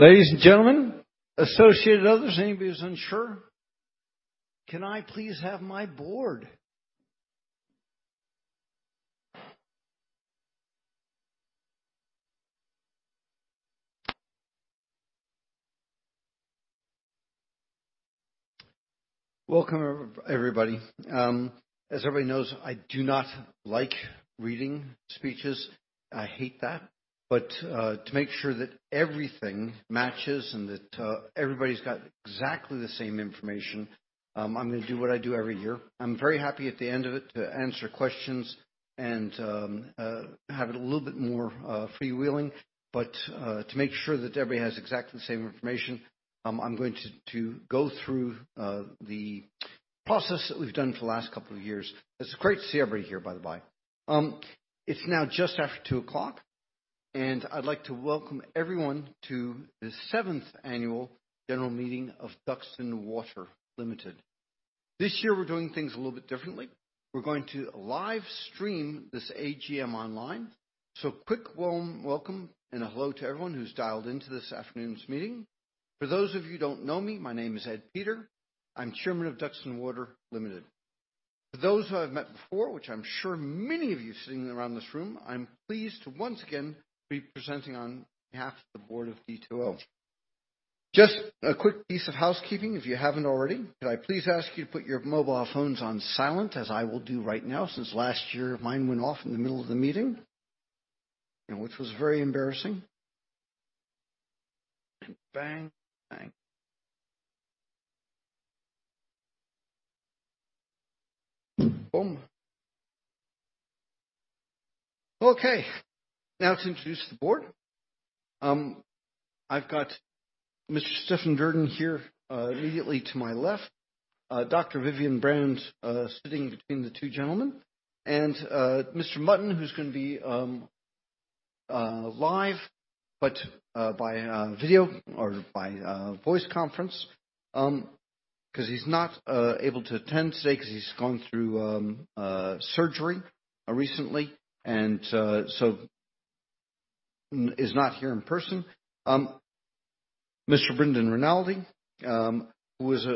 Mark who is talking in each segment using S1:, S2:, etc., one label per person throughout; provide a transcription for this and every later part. S1: Ladies and gentlemen, associated others, anybody who's unsure, can I please have my board? Welcome everybody. As everybody knows, I do not like reading speeches. I hate that. To make sure that everything matches and that everybody's got exactly the same information, I'm gonna do what I do every year. I'm very happy at the end of it to answer questions and have it a little bit more freewheeling. To make sure that everybody has exactly the same information, I'm going to go through the process that we've done for the last couple of years. It's great to see everybody here, by the by. It's now just after 2:00 PM., and I'd like to welcome everyone to the 7th annual general meeting of Duxton Water Limited. This year, we're doing things a little bit differently. We're going to live stream this AGM online. Quick warm welcome and hello to everyone who's dialed into this afternoon's meeting. For those of you who don't know me, my name is Ed Peter. I'm Chairman of Duxton Water Limited. For those who I've met before, which I'm sure many of you sitting around this room, I'm pleased to once again be presenting on behalf of the board of D2O. Just a quick piece of housekeeping, if you haven't already, could I please ask you to put your mobile phones on silent, as I will do right now, since last year, mine went off in the middle of the meeting, which was very embarrassing. Bang, bang. Boom. Okay, now to introduce the board. I've got Mr. Stephen Duerden here, immediately to my left, Dr. Vivienne Brand, sitting between the two gentlemen, and Mr. Mutton, who's gonna be live, but via video or via voice conference, 'cause he's not able to attend today 'cause he's gone through a surgery recently, and so is not here in person. Mr. Brendan Rinaldi, who was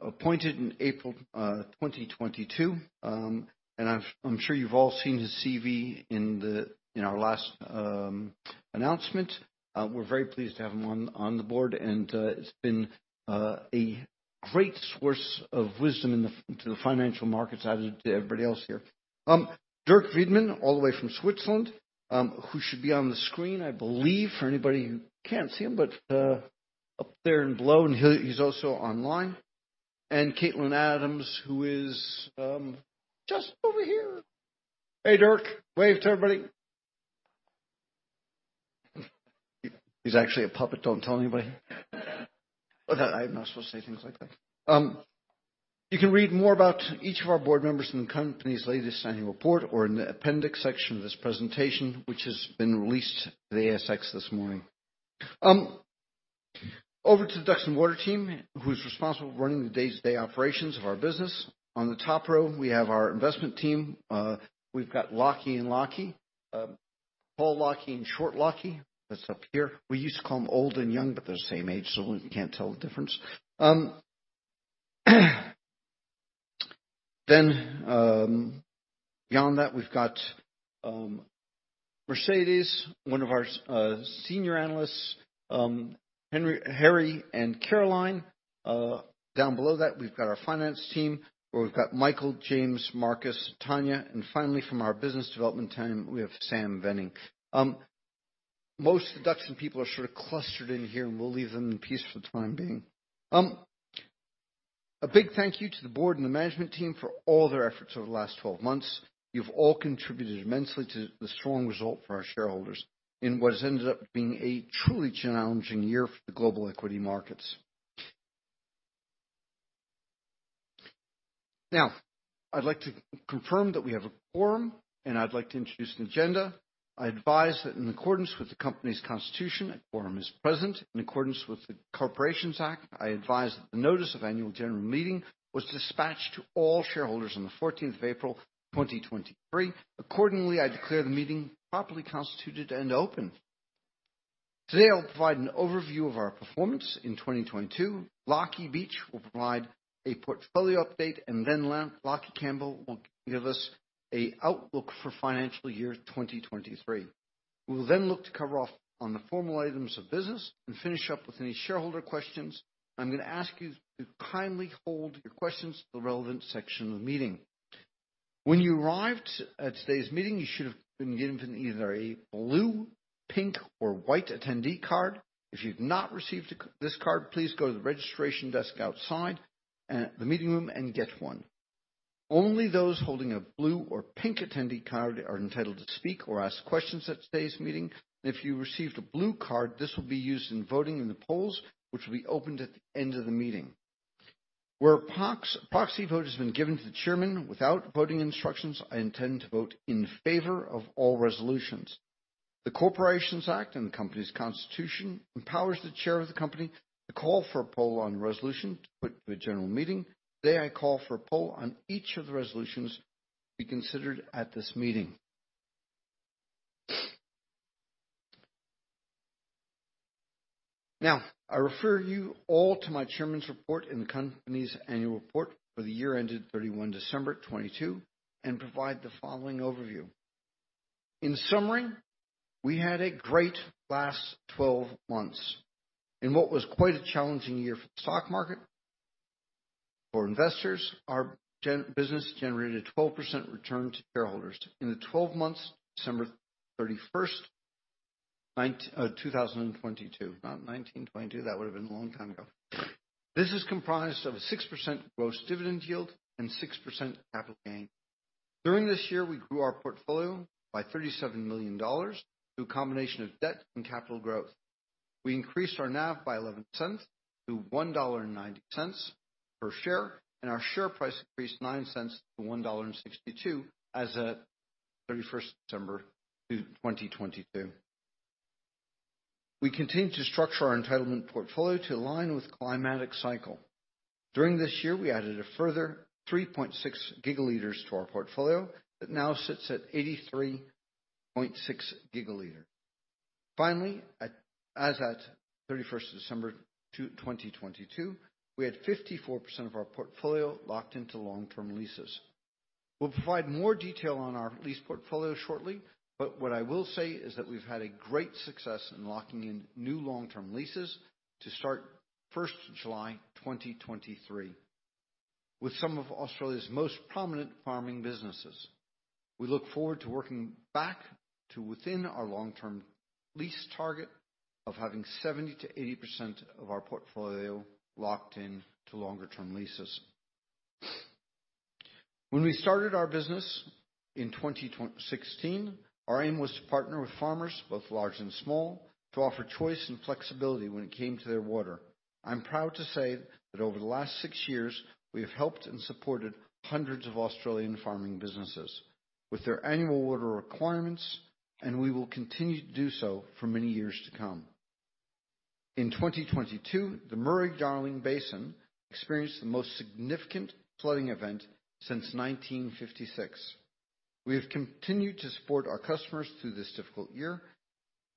S1: appointed in April, 2022, and I've, I'm sure you've all seen his CV in the, in our last announcement. We're very pleased to have him on the board, and it's been a great source of wisdom in the, to the financial markets as it is to everybody else here. Dirk Wiedmann, all the way from Switzerland, who should be on the screen, I believe, for anybody who can't see him, but up there and below, he's also online. Caitlin Adams, who is just over here. Hey, Dirk. Wave to everybody. He's actually a puppet. Don't tell anybody. I'm not supposed to say things like that. You can read more about each of our board members in the company's latest annual report or in the appendix section of this presentation, which has been released to the ASX this morning. Over to the Duxton Water team, who's responsible for running the day-to-day operations of our business. On the top row, we have our investment team. We've got Lachie and Lachie. Tall Lachie and short Lachie. That's up here. We used to call them old and young, but they're the same age, so we can't tell the difference. Then, beyond that, we've got Mercedes, one of our senior analysts, Henry, Harry and Caroline. Down below that, we've got our finance team, where we've got Michael, James, Marcus, Tanya, and finally, from our business development team, we have Sam Venning. Most of the Duxton people are sort of clustered in here, and we'll leave them in peace for the time being. A big thank you to the board and the management team for all their efforts over the last 12 months. You've all contributed immensely to the strong result for our shareholders in what has ended up being a truly challenging year for the global equity markets. I'd like to confirm that we have a quorum, and I'd like to introduce the agenda. I advise that in accordance with the company's constitution, a quorum is present. In accordance with the Corporations Act, I advise that the notice of annual general meeting was dispatched to all shareholders on the 14th of April, 2023. I declare the meeting properly constituted and open. I'll provide an overview of our performance in 2022. Lachie Beech will provide a portfolio update, and then Lachie Campbell will give us a outlook for financial year 2023. We'll look to cover off on the formal items of business and finish up with any shareholder questions. I'm gonna ask you to kindly hold your questions to the relevant section of the meeting. When you arrived at today's meeting, you should have been given either a blue, pink, or white attendee card. If you've not received this card, please go to the registration desk outside at the meeting room and get one. Only those holding a blue or pink attendee card are entitled to speak or ask questions at today's meeting. If you received a blue card, this will be used in voting in the polls, which will be opened at the end of the meeting. Where proxy vote has been given to the chairman without voting instructions, I intend to vote in favor of all resolutions. The Corporations Act and the company's constitution empowers the chair of the company to call for a poll on resolution to put to a general meeting. Today I call for a poll on each of the resolutions to be considered at this meeting. I refer you all to my chairman's report in the company's annual report for the year ended 31 December 2022, and provide the following overview. In summary, we had a great last 12 months in what was quite a challenging year for the stock market. For investors, our business generated a 12% return to shareholders in the 12 months, December 31, 2022, not 1922, that would have been a long time ago. This is comprised of a 6% gross dividend yield and 6% capital gain. During this year, we grew our portfolio by 37 million dollars through a combination of debt and capital growth. We increased our NAV by 0.11 to 1.90 dollar per share, and our share price increased 0.09 to 1.62 dollar as at 31st December 2022. We continue to structure our entitlement portfolio to align with climatic cycle. During this year, we added a further 3.6 gigaliters to our portfolio that now sits at 83.6 gigaliters. Finally, as at 31st December 2022, we had 54% of our portfolio locked into long-term leases. We'll provide more detail on our lease portfolio shortly, but what I will say is that we've had a great success in locking in new long-term leases to start 1st July 2023 with some of Australia's most prominent farming businesses. We look forward to working back to within our long-term lease target of having 70% to 80% of our portfolio locked in to longer-term leases. When we started our business in 2016, our aim was to partner with farmers, both large and small, to offer choice and flexibility when it came to their water. I'm proud to say that over the last six years, we have helped and supported hundreds of Australian farming businesses with their annual water requirements, and we will continue to do so for many years to come. In 2022, the Murray-Darling Basin experienced the most significant flooding event since 1956. We have continued to support our customers through this difficult year,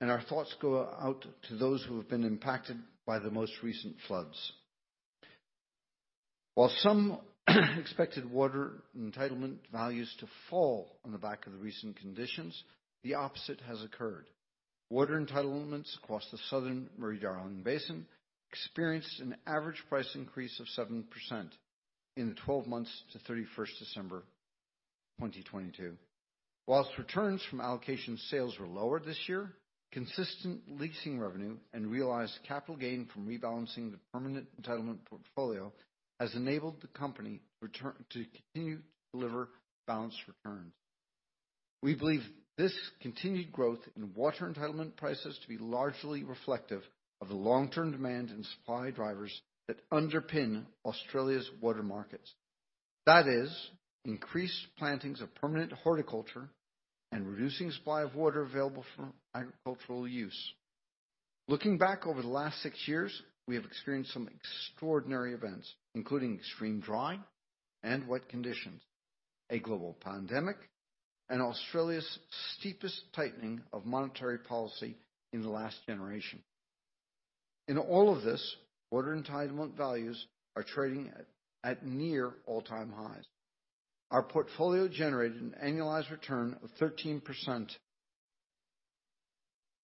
S1: and our thoughts go out to those who have been impacted by the most recent floods. While some expected water entitlement values to fall on the back of the recent conditions, the opposite has occurred. Water entitlements across the Southern Murray-Darling Basin experienced an average price increase of 7% in the 12 months to 31st December, 2022. While returns from allocation sales were lower this year, consistent leasing revenue and realized capital gain from rebalancing the permanent entitlement portfolio has enabled the company to continue to deliver balanced returns. We believe this continued growth in water entitlement prices to be largely reflective of the long-term demand and supply drivers that underpin Australia's water markets. That is, increased plantings of permanent horticulture and reducing supply of water available for agricultural use. Looking back over the last six years, we have experienced some extraordinary events, including extreme dry and wet conditions, a global pandemic, and Australia's steepest tightening of monetary policy in the last generation. In all of this, water entitlement values are trading at near all-time highs. Our portfolio generated an annualized return of 13%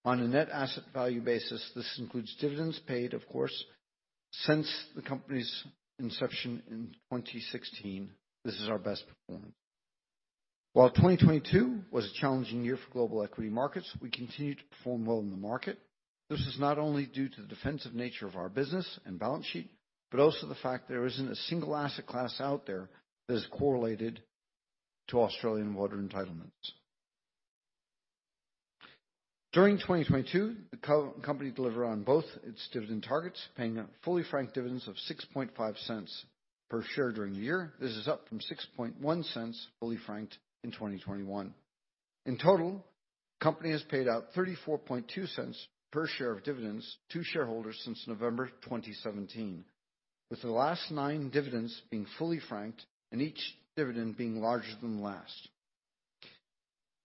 S1: on a net asset value basis. This includes dividends paid, of course, since the company's inception in 2016. This is our best performance. While 2022 was a challenging year for global equity markets, we continued to perform well in the market. This is not only due to the defensive nature of our business and balance sheet, but also the fact there isn't a single asset class out there that is correlated to Australian water entitlements. During 2022, the company delivered on both its dividend targets, paying out fully franked dividends of 0.065 per share during the year. This is up from 0.061 fully franked in 2021. In total, company has paid out 0.342 per share of dividends to shareholders since November 2017, with the last nine dividends being fully franked and each dividend being larger than the last.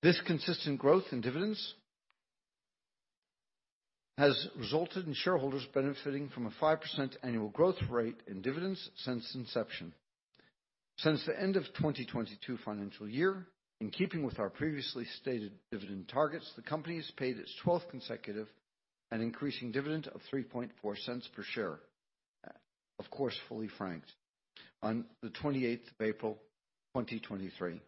S1: This consistent growth in dividends has resulted in shareholders benefiting from a 5% annual growth rate in dividends since inception. Since the end of 2022 financial year, in keeping with our previously stated dividend targets, the companies paid its 12th consecutive, an increasing dividend of 0.034 per share, of course, fully franked on the 28th of April, 2023.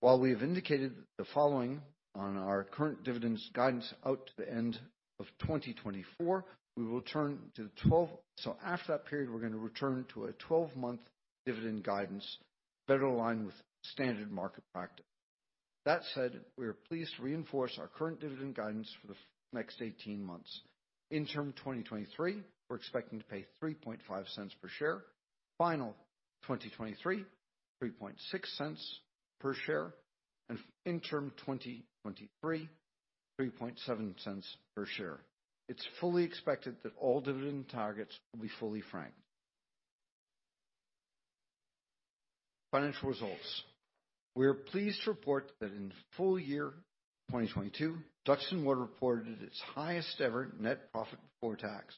S1: While we have indicated the following on our current dividends guidance out to the end of 2024, after that period, we're gonna return to a 12-month dividend guidance better aligned with standard market practice. That said, we are pleased to reinforce our current dividend guidance for the next 18 months. Interim 2023, we're expecting to pay 0.035 per share. Final 2023, 0.036 per share. Interim 2023, 0.037 per share. It's fully expected that all dividend targets will be fully franked. Financial results. We are pleased to report that in full year 2022, Duxton Water reported its highest ever net profit before tax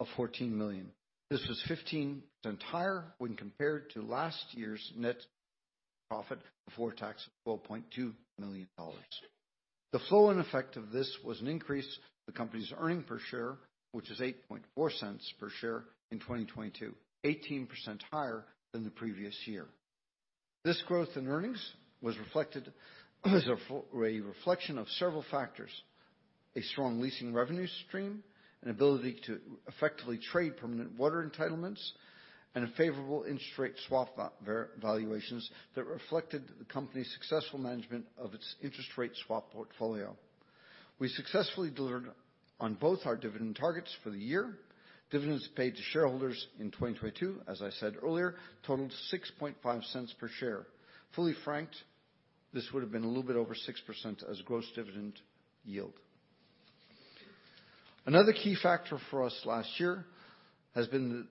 S1: of 14 million. This was 15% higher when compared to last year's net profit before tax of AUD 12.2 million. The flow and effect of this was an increase in the company's earning per share, which is 0.084 per share in 2022, 18% higher than the previous year. This growth in earnings was reflected as a full... A reflection of several factors: a strong leasing revenue stream, an ability to effectively trade permanent water entitlements, and a favorable interest rate swap valuations that reflected the company's successful management of its interest rate swap portfolio. We successfully delivered on both our dividend targets for the year. Dividends paid to shareholders in 2022, as I said earlier, totaled 0.065 per share. Fully franked, this would've been a little bit over 6% as gross dividend yield. Another key factor for us last year has been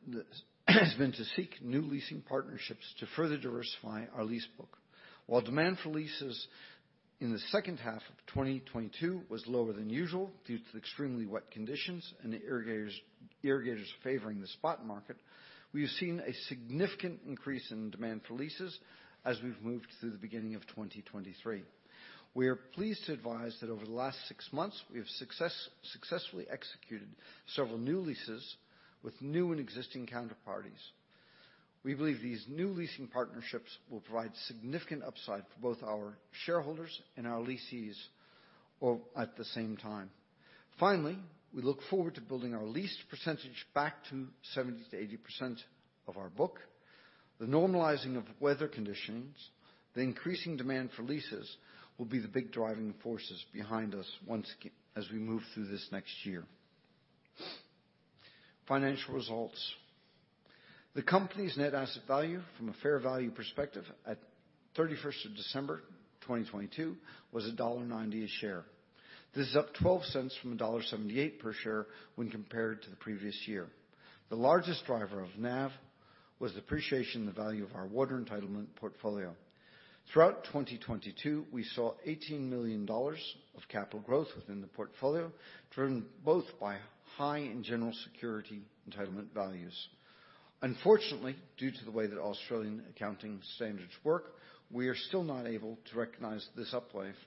S1: to seek new leasing partnerships to further diversify our lease book. While demand for leases in the second half of 2022 was lower than usual due to the extremely wet conditions and the irrigators favoring the spot market, we have seen a significant increase in demand for leases as we've moved through the beginning of 2023. We are pleased to advise that over the last six months, we have successfully executed several new leases with new and existing counterparties. We believe these new leasing partnerships will provide significant upside for both our shareholders and our lessees all at the same time. We look forward to building our leased percentage back to 70%-80% of our book. The normalizing of weather conditions, the increasing demand for leases will be the big driving forces behind us as we move through this next year. Financial results. The company's net asset value from a fair value perspective at 31st of December, 2022 was AUD 1.90 a share. This is up 0.12 from AUD 1.78 per share when compared to the previous year. The largest driver of NAV was the appreciation in the value of our water entitlement portfolio. Throughout 2022, we saw 18 million dollars of capital growth within the portfolio, driven both by high and general security entitlement values. Unfortunately, due to the way that Australian accounting standards work, we are still not able to recognize this uplift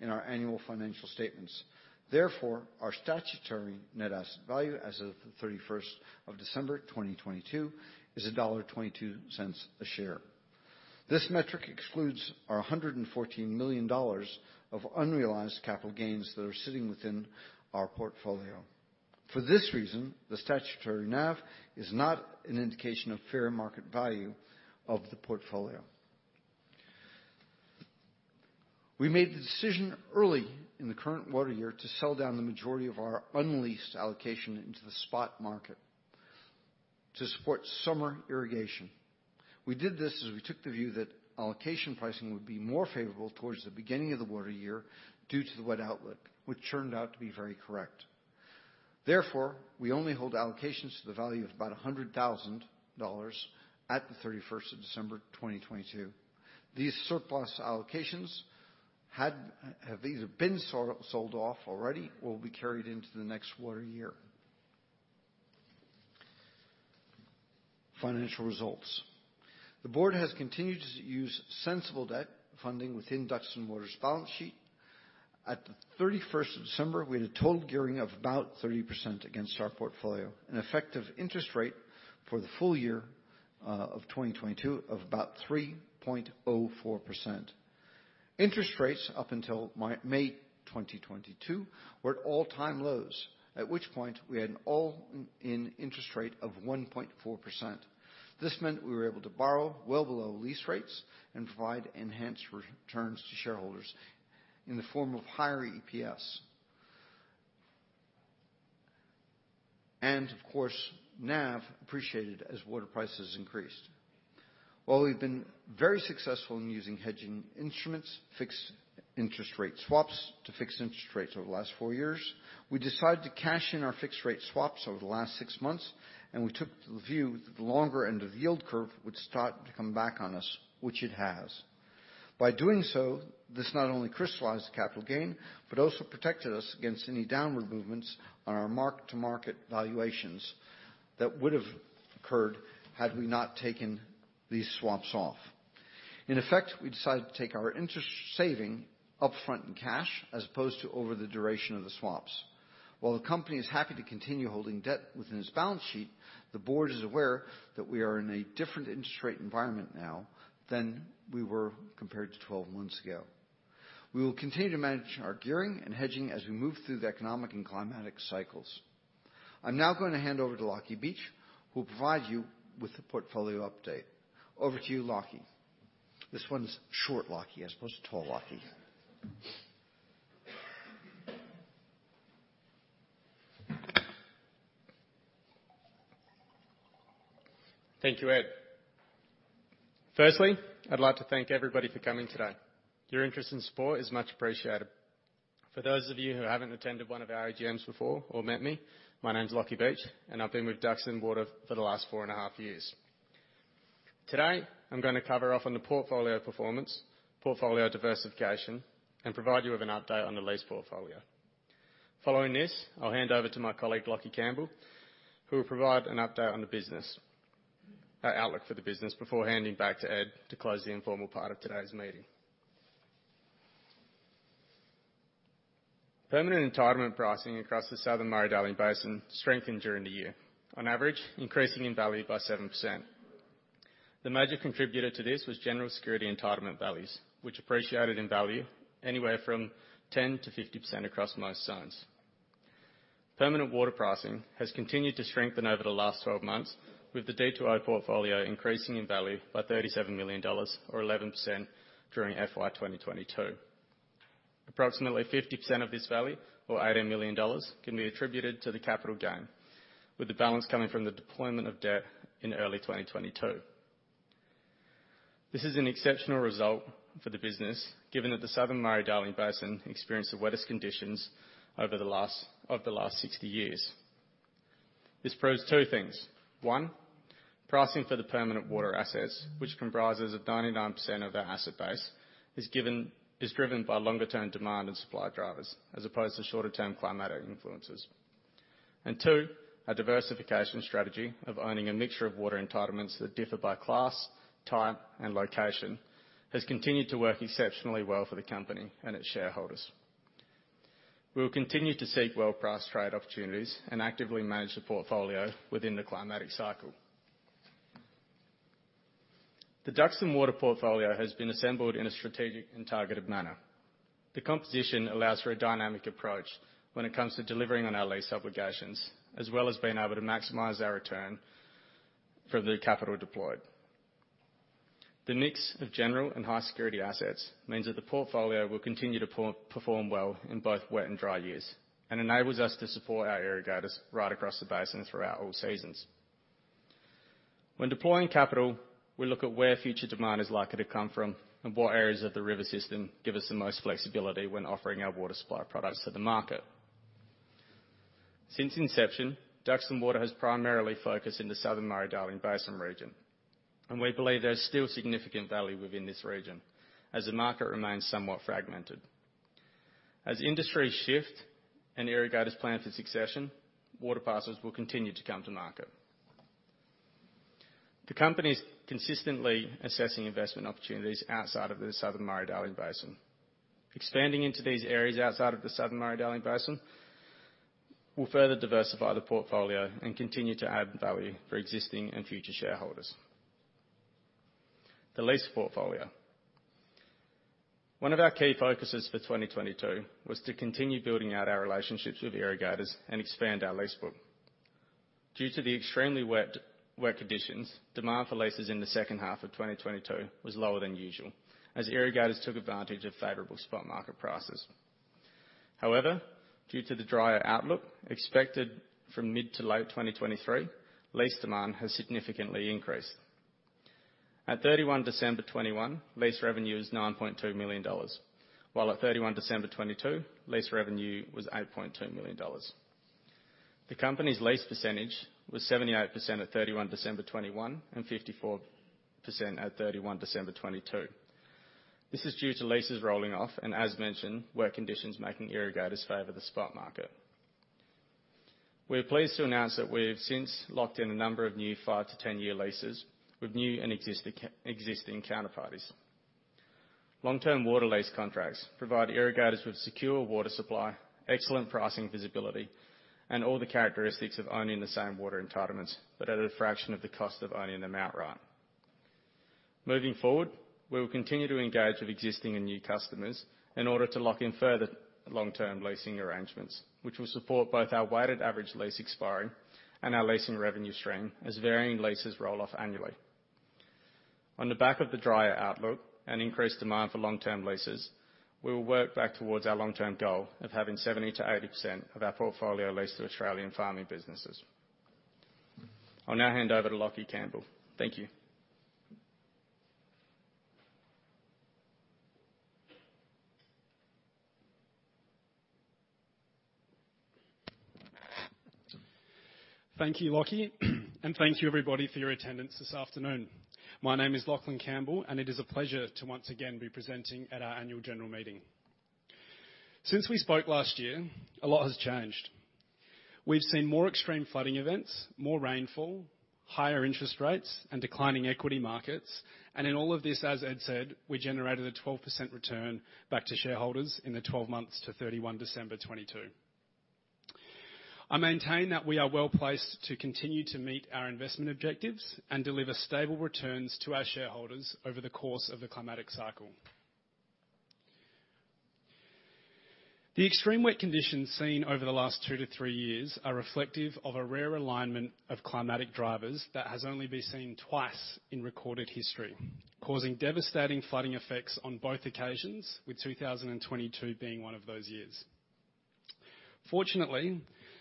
S1: in our annual financial statements. Therefore, our statutory net asset value as of the 31st of December, 2022, is AUD 1.22 a share. This metric excludes our AUD 114 million of unrealized capital gains that are sitting within our portfolio. For this reason, the statutory NAV is not an indication of fair market value of the portfolio. We made the decision early in the current water year to sell down the majority of our unleased allocation into the spot market to support summer irrigation. We did this as we took the view that allocation pricing would be more favorable towards the beginning of the water year due to the wet outlook, which turned out to be very correct. Therefore, we only hold allocations to the value of about 100,000 dollars at the 31st of December, 2022. These surplus allocations have either been sold off already or will be carried into the next water year. Financial results. The board has continued to use sensible debt funding within Duxton Water's balance sheet. At the 31st of December, we had a total gearing of about 30% against our portfolio, an effective interest rate for the full year of 2022 of about 3.04%. Interest rates up until May 2022 were at all-time lows, at which point we had an all-in interest rate of 1.4%. This meant we were able to borrow well below lease rates and provide enhanced re-returns to shareholders in the form of higher EPS. Of course, NAV appreciated as water prices increased. While we've been very successful in using hedging instruments, fixed interest rate swaps to fix interest rates over the last four years, we decided to cash in our fixed rate swaps over the last six months. We took the view that the longer end of the yield curve would start to come back on us, which it has. By doing so, this not only crystallized the capital gain, but also protected us against any downward movements on our mark-to-market valuations that would've occurred had we not taken these swaps off. In effect, we decided to take our interest saving upfront in cash as opposed to over the duration of the swaps. While the company is happy to continue holding debt within its balance sheet, the board is aware that we are in a different interest rate environment now than we were compared to 12 months ago. We will continue to manage our gearing and hedging as we move through the economic and climatic cycles. I'm now gonna hand over to Lachie Beech, who will provide you with the portfolio update. Over to you, Lachie. This one's short Lachie, as opposed to tall Lachie.
S2: Thank you, Ed. Firstly, I'd like to thank everybody for coming today. Your interest in Spore is much appreciated. For those of you who haven't attended one of our AGMs before or met me, my name's Lachie Beech, and I've been with Duxton Water for the last four and a half years. Today, I'm gonna cover off on the portfolio performance, portfolio diversification, and provide you with an update on the lease portfolio. Following this, I'll hand over to my colleague, Lachie Campbell, who will provide an update on the business outlook for the business before handing back to Ed to close the informal part of today's meeting. Permanent entitlement pricing across the southern Murray-Darling Basin strengthened during the year. On average, increasing in value by 7%. The major contributor to this was general security entitlement values, which appreciated in value anywhere from 10%-50% across most zones. Permanent water pricing has continued to strengthen over the last 12 months, with the D2O portfolio increasing in value by AUD 37 million or 11% during FY2022. Approximately 50% of this value, or AUD 80 million, can be attributed to the capital gain, with the balance coming from the deployment of debt in early 2022. This is an exceptional result for the business, given that the southern Murray-Darling Basin experienced the wettest conditions of the last 60 years. This proves two things. One, pricing for the permanent water assets, which comprises of 99% of our asset base, is driven by longer-term demand and supply drivers, as opposed to shorter-term climatic influences. Two, our diversification strategy of owning a mixture of water entitlements that differ by class, type, and location has continued to work exceptionally well for the company and its shareholders. We will continue to seek well-priced trade opportunities and actively manage the portfolio within the climatic cycle. The Duxton Water portfolio has been assembled in a strategic and targeted manner. The composition allows for a dynamic approach when it comes to delivering on our lease obligations, as well as being able to maximize our return for the capital deployed. The mix of general and high-security assets means that the portfolio will continue to perform well in both wet and dry years, and enables us to support our irrigators right across the basin throughout all seasons. When deploying capital, we look at where future demand is likely to come from and what areas of the river system give us the most flexibility when offering our water supply products to the market. Since inception, Duxton Water has primarily focused in the southern Murray-Darling Basin region, and we believe there's still significant value within this region as the market remains somewhat fragmented. As industries shift and irrigators plan for succession, water parcels will continue to come to market. The company's consistently assessing investment opportunities outside of the southern Murray-Darling Basin. Expanding into these areas outside of the southern Murray-Darling Basin will further diversify the portfolio and continue to add value for existing and future shareholders. The lease portfolio. One of our key focuses for 2022 was to continue building out our relationships with irrigators and expand our lease book. Due to the extremely wet conditions, demand for leases in the second half of 2022 was lower than usual, as irrigators took advantage of favorable spot market prices. Due to the drier outlook expected from mid to late 2023, lease demand has significantly increased. At 31 December 2021, lease revenue was AUD 9.2 million, while at 31 December 2022, lease revenue was AUD 8.2 million. The company's lease percentage was 78% at 31 December 2021 and 54% at 31 December 2022. This is due to leases rolling off, and as mentioned, wet conditions making irrigators favor the spot market. We are pleased to announce that we have since locked in a number of new 5-10-year leases with new and existing counterparties. Long-term water lease contracts provide irrigators with secure water supply, excellent pricing visibility, and all the characteristics of owning the same water entitlements, but at a fraction of the cost of owning them outright. Moving forward, we will continue to engage with existing and new customers in order to lock in further long-term leasing arrangements, which will support both our weighted average lease expiring and our leasing revenue stream as varying leases roll off annually. On the back of the drier outlook and increased demand for long-term leases, we will work back towards our long-term goal of having 70%-80% of our portfolio leased to Australian farming businesses. I'll now hand over to Lachie Campbell. Thank you.
S3: Thank you, Lachie. Thank you everybody for your attendance this afternoon. My name is Lachlan Campbell, and it is a pleasure to once again be presenting at our annual general meeting. Since we spoke last year, a lot has changed. We've seen more extreme flooding events, more rainfall, higher interest rates, and declining equity markets, and in all of this, as Ed said, we generated a 12% return back to shareholders in the 12 months to December 31, 2022. I maintain that we are well-placed to continue to meet our investment objectives and deliver stable returns to our shareholders over the course of the climatic cycle. The extreme wet conditions seen over the last two to three years are reflective of a rare alignment of climatic drivers that has only been seen twice in recorded history, causing devastating flooding effects on both occasions, with 2022 being one of those years. Fortunately,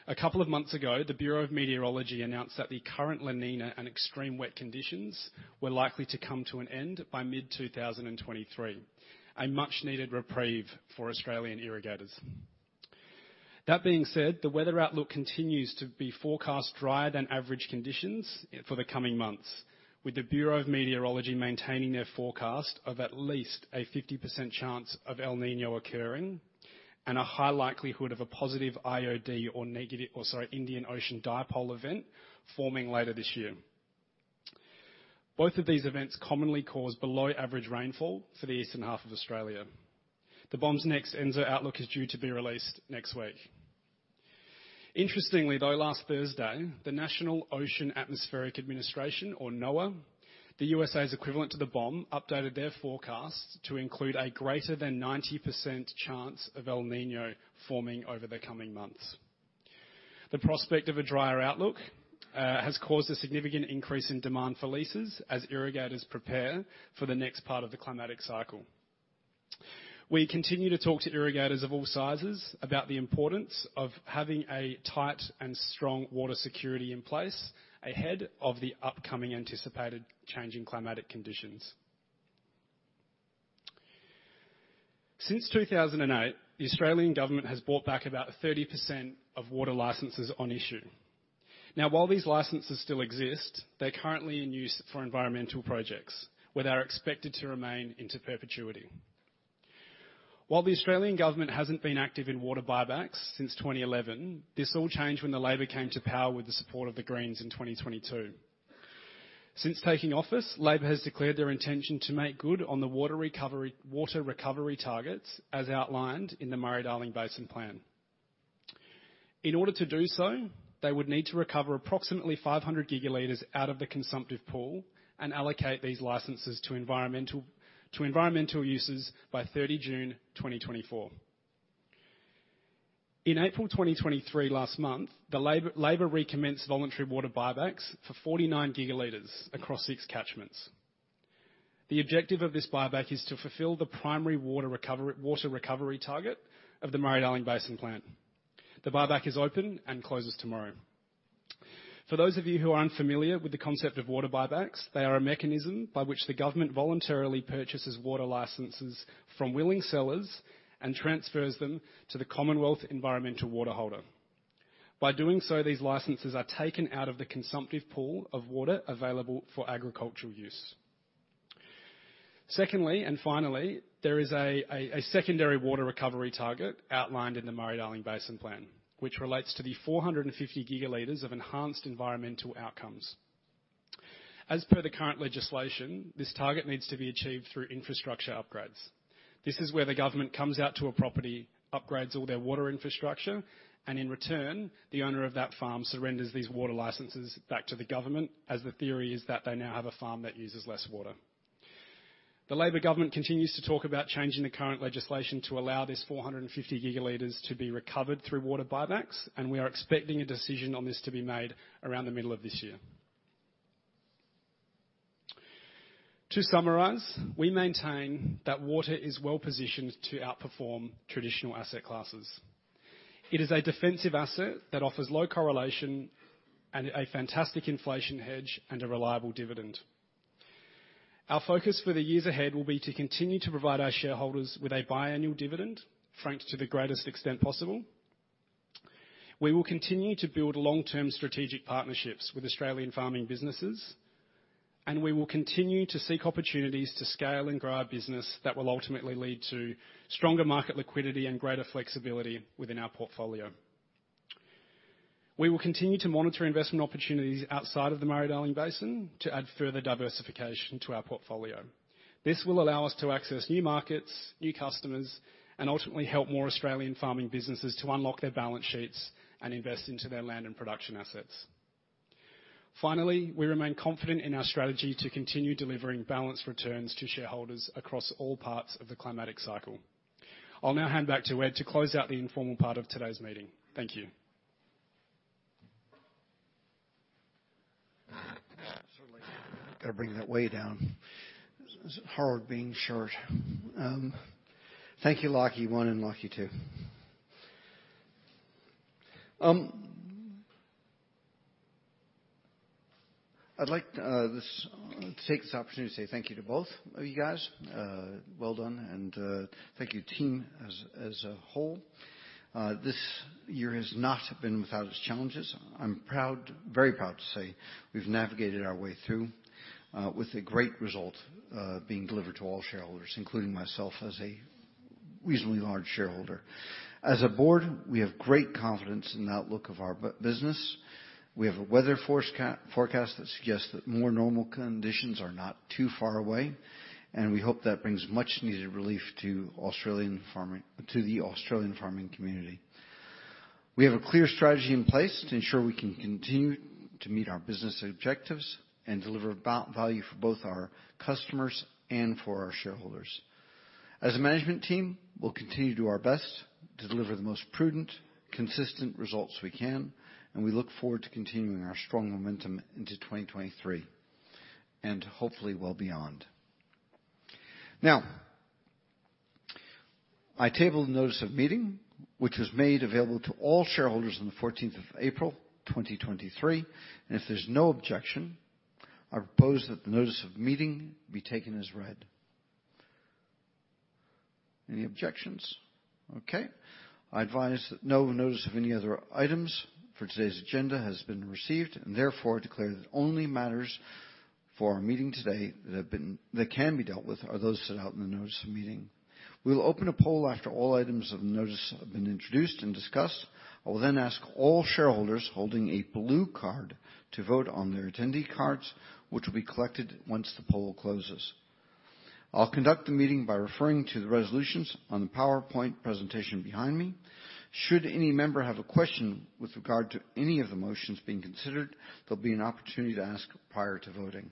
S3: a couple of months ago, the Bureau of Meteorology announced that the current La Niña and extreme wet conditions were likely to come to an end by mid 2023, a much-needed reprieve for Australian irrigators. That being said, the weather outlook continues to be forecast drier than average conditions for the coming months, with the Bureau of Meteorology maintaining their forecast of at least a 50% chance of El Niño occurring and a high likelihood of a positive IOD or Indian Ocean Dipole event forming later this year. Last Thursday, the National Oceanic and Atmospheric Administration, or NOAA, the U.S.A.'s equivalent to the BOM, updated their forecast to include a greater than 90% chance of El Niño forming over the coming months. The prospect of a drier outlook has caused a significant increase in demand for leases as irrigators prepare for the next part of the climatic cycle. We continue to talk to irrigators of all sizes about the importance of having a tight and strong water security in place ahead of the upcoming anticipated change in climatic conditions. Since 2008, the Australian government has bought back about 30% of water licenses on issue. Now, while these licenses still exist, they're currently in use for environmental projects where they are expected to remain into perpetuity. While the Australian government hasn't been active in water buybacks since 2011, this all changed when the Labor came to power with the support of the Greens in 2022. Since taking office, Labor has declared their intention to make good on the water recovery targets as outlined in the Murray-Darling Basin Plan. In order to do so, they would need to recover approximately 500 gigaliters out of the consumptive pool and allocate these licenses to environmental uses by June 30, 2024. In April 2023 last month, the Labor recommenced voluntary water buybacks for 49 gigaliters across 6 catchments. The objective of this buyback is to fulfill the primary water recovery target of the Murray-Darling Basin Plan. The buyback is open and closes tomorrow. For those of you who are unfamiliar with the concept of water buybacks, they are a mechanism by which the government voluntarily purchases water licenses from willing sellers and transfers them to the Commonwealth Environmental Water Holder. By doing so, these licenses are taken out of the consumptive pool of water available for agricultural use. Secondly, finally, there is a secondary water recovery target outlined in the Murray-Darling Basin Plan, which relates to the 450 GL of enhanced environmental outcomes. As per the current legislation, this target needs to be achieved through infrastructure upgrades. This is where the government comes out to a property, upgrades all their water infrastructure, and in return, the owner of that farm surrenders these water licenses back to the government, as the theory is that they now have a farm that uses less water. The Labor government continues to talk about changing the current legislation to allow this 450 GL to be recovered through water buybacks, and we are expecting a decision on this to be made around the middle of this year. To summarize, we maintain that water is well-positioned to outperform traditional asset classes. It is a defensive asset that offers low correlation and a fantastic inflation hedge and a reliable dividend. Our focus for the years ahead will be to continue to provide our shareholders with a biannual dividend, franked to the greatest extent possible. We will continue to build long-term strategic partnerships with Australian farming businesses. We will continue to seek opportunities to scale and grow our business that will ultimately lead to stronger market liquidity and greater flexibility within our portfolio. We will continue to monitor investment opportunities outside of the Murray-Darling Basin to add further diversification to our portfolio. This will allow us to access new markets, new customers, and ultimately help more Australian farming businesses to unlock their balance sheets and invest into their land and production assets. Finally, we remain confident in our strategy to continue delivering balanced returns to shareholders across all parts of the climatic cycle. I'll now hand back to Ed to close out the informal part of today's meeting. Thank you.
S1: Sorry. Gotta bring that way down. It's hard being short. Thank you, Lachie one and Lachie two. I'd like, take this opportunity to say thank you to both of you guys. Well done. Thank you, team, as a whole. This year has not been without its challenges. I'm proud, very proud to say we've navigated our way through with a great result being delivered to all shareholders, including myself as a reasonably large shareholder. As a board, we have great confidence in the outlook of our business. We have a weather forecast that suggests that more normal conditions are not too far away, we hope that brings much-needed relief to Australian farming, to the Australian farming community. We have a clear strategy in place to ensure we can continue to meet our business objectives and deliver value for both our customers and for our shareholders. As a management team, we'll continue to do our best to deliver the most prudent, consistent results we can. We look forward to continuing our strong momentum into 2023, and hopefully well beyond. I table the notice of meeting, which was made available to all shareholders on the 14th of April, 2023. If there's no objection, I propose that the notice of meeting be taken as read. Any objections? Okay. I advise that no notice of any other items for today's agenda has been received. Therefore, I declare that only matters for our meeting today that can be dealt with are those set out in the notice of meeting. We will open a poll after all items of the notice have been introduced and discussed. I will then ask all shareholders holding a blue card to vote on their attendee cards, which will be collected once the poll closes. I'll conduct the meeting by referring to the PowerPoint presentation behind me. Should any member have a question with regard to any of the motions being considered, there'll be an opportunity to ask prior to voting.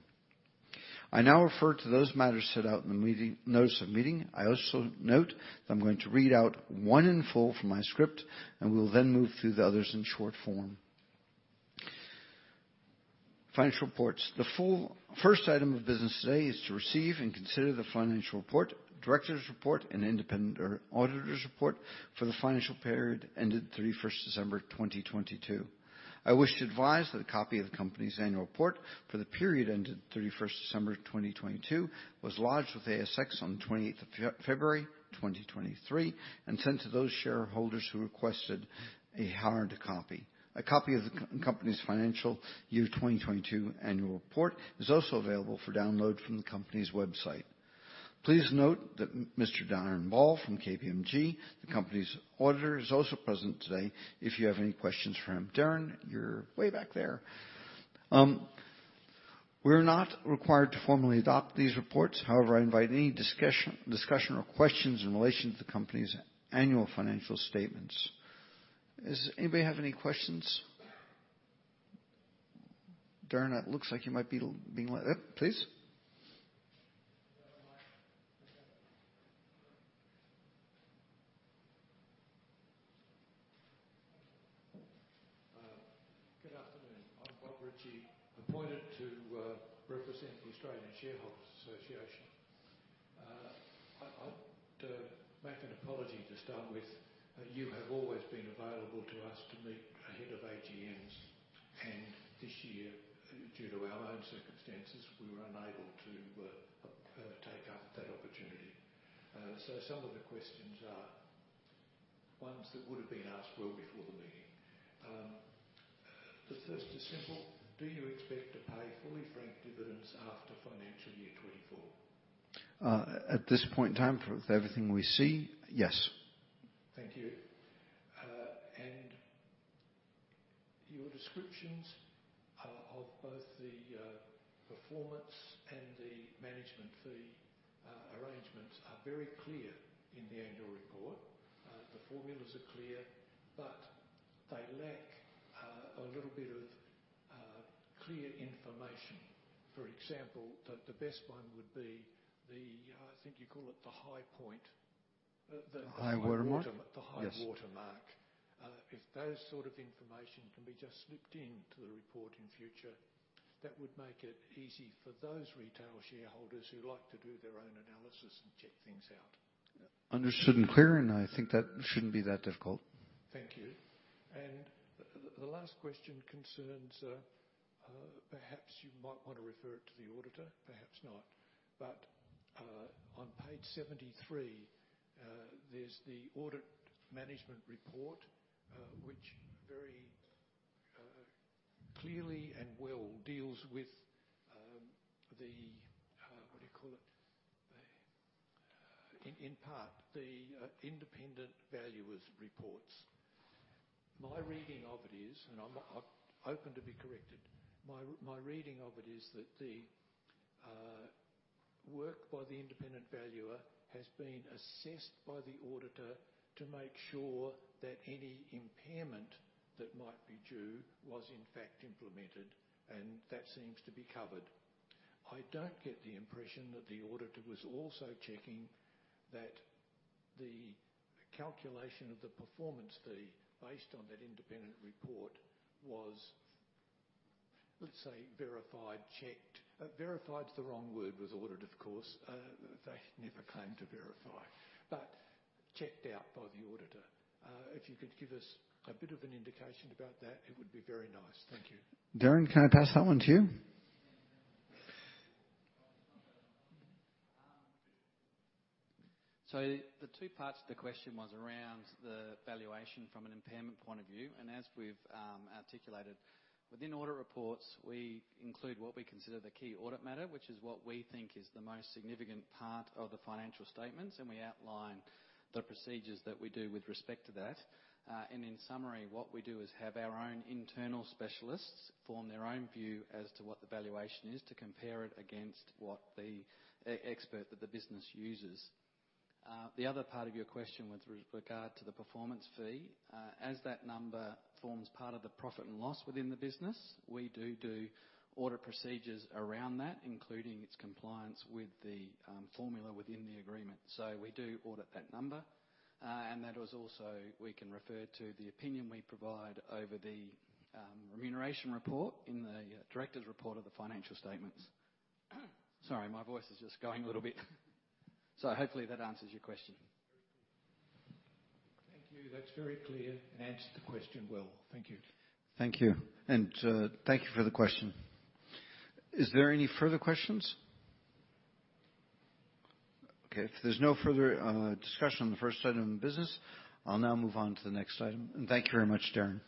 S1: I now refer to those matters set out in the notice of meeting. I also note that I'm going to read out one in full from my script. We'll then move through the others in short form. Financial reports. The full first item of business today is to receive and consider the financial report, director's report, and independent or auditor's report for the financial period ended 31st December, 2022. I wish to advise that a copy of the company's annual report for the period ended 31st December, 2022, was lodged with ASX on the 28th of February, 2023, and sent to those shareholders who requested a hard copy. A copy of the company's financial year 2022 annual report is also available for download from the company's website. Please note that Mr. Darren Ball from KPMG, the company's auditor, is also present today if you have any questions for him. Darren, you're way back there. We're not required to formally adopt these reports. However, I invite any discussion or questions in relation to the company's annual financial statements. Does anybody have any questions? Darren, it looks like you might be being let... Yep, please.
S4: Is there a mic?
S1: There's a mic.
S4: Good afternoon. I'm Bob Ritchie, appointed to represent the Australian Shareholders' Association. To make an apology to start with, you have always been available to us to meet ahead of AGMs, and this year, due to our own circumstances, we were unable to take up that opportunity. Some of the questions are ones that would have been asked well before the meeting. The first is simple: Do you expect to pay fully franked dividends after financial year 2024?
S1: at this point in time, for everything we see, yes.
S4: Thank you. Your descriptions of both the performance and the management fee arrangements are very clear in the annual report. The formulas are clear, but they lack a little bit of clear information. For example, the best one would be the, I think you call it the high point.
S1: High-water mark?
S4: The high-water-
S1: Yes.
S4: The high-water mark. If those sort of information can be just slipped into the report in future, that would make it easy for those retail shareholders who like to do their own analysis and check things out.
S1: Understood and clear, and I think that shouldn't be that difficult.
S4: Thank you. The last question concerns, perhaps you might wanna refer it to the auditor, perhaps not. On page 73, there's the audit management report, which very clearly and well deals with, what do you call it? The, in part, the independent valuer's reports. My reading of it is, I'm open to be corrected, my reading of it is that the work by the independent valuer has been assessed by the auditor to make sure that any impairment that might be due was in fact implemented. That seems to be covered. I don't get the impression that the auditor was also checking that the calculation of the performance fee based on that independent report was, let's say, verified, checked. Verified's the wrong word with audit, of course. They never claim to verify, but checked out by the auditor. If you could give us a bit of an indication about that, it would be very nice. Thank you.
S1: Darren, can I pass that one to you?
S5: The two parts to the question was around the valuation from an impairment point of view. As we've articulated, within audit reports, we include what we consider the key audit matter, which is what we think is the most significant part of the financial statements, and we outline the procedures that we do with respect to that. In summary, what we do is have our own internal specialists form their own view as to what the valuation is to compare it against what the expert that the business uses. The other part of your question was with regard to the performance fee. As that number forms part of the profit and loss within the business, we do audit procedures around that, including its compliance with the formula within the agreement. We do audit that number. That was also, we can refer to the opinion we provide over the remuneration report in the director's report of the financial statements. Sorry, my voice is just going a little bit. Hopefully that answers your question.
S4: Thank you. That's very clear and answered the question well. Thank you.
S1: Thank you. Thank you for the question. Is there any further questions? Okay, if there's no further discussion on the first item of business, I'll now move on to the next item. Thank you very much, Darren.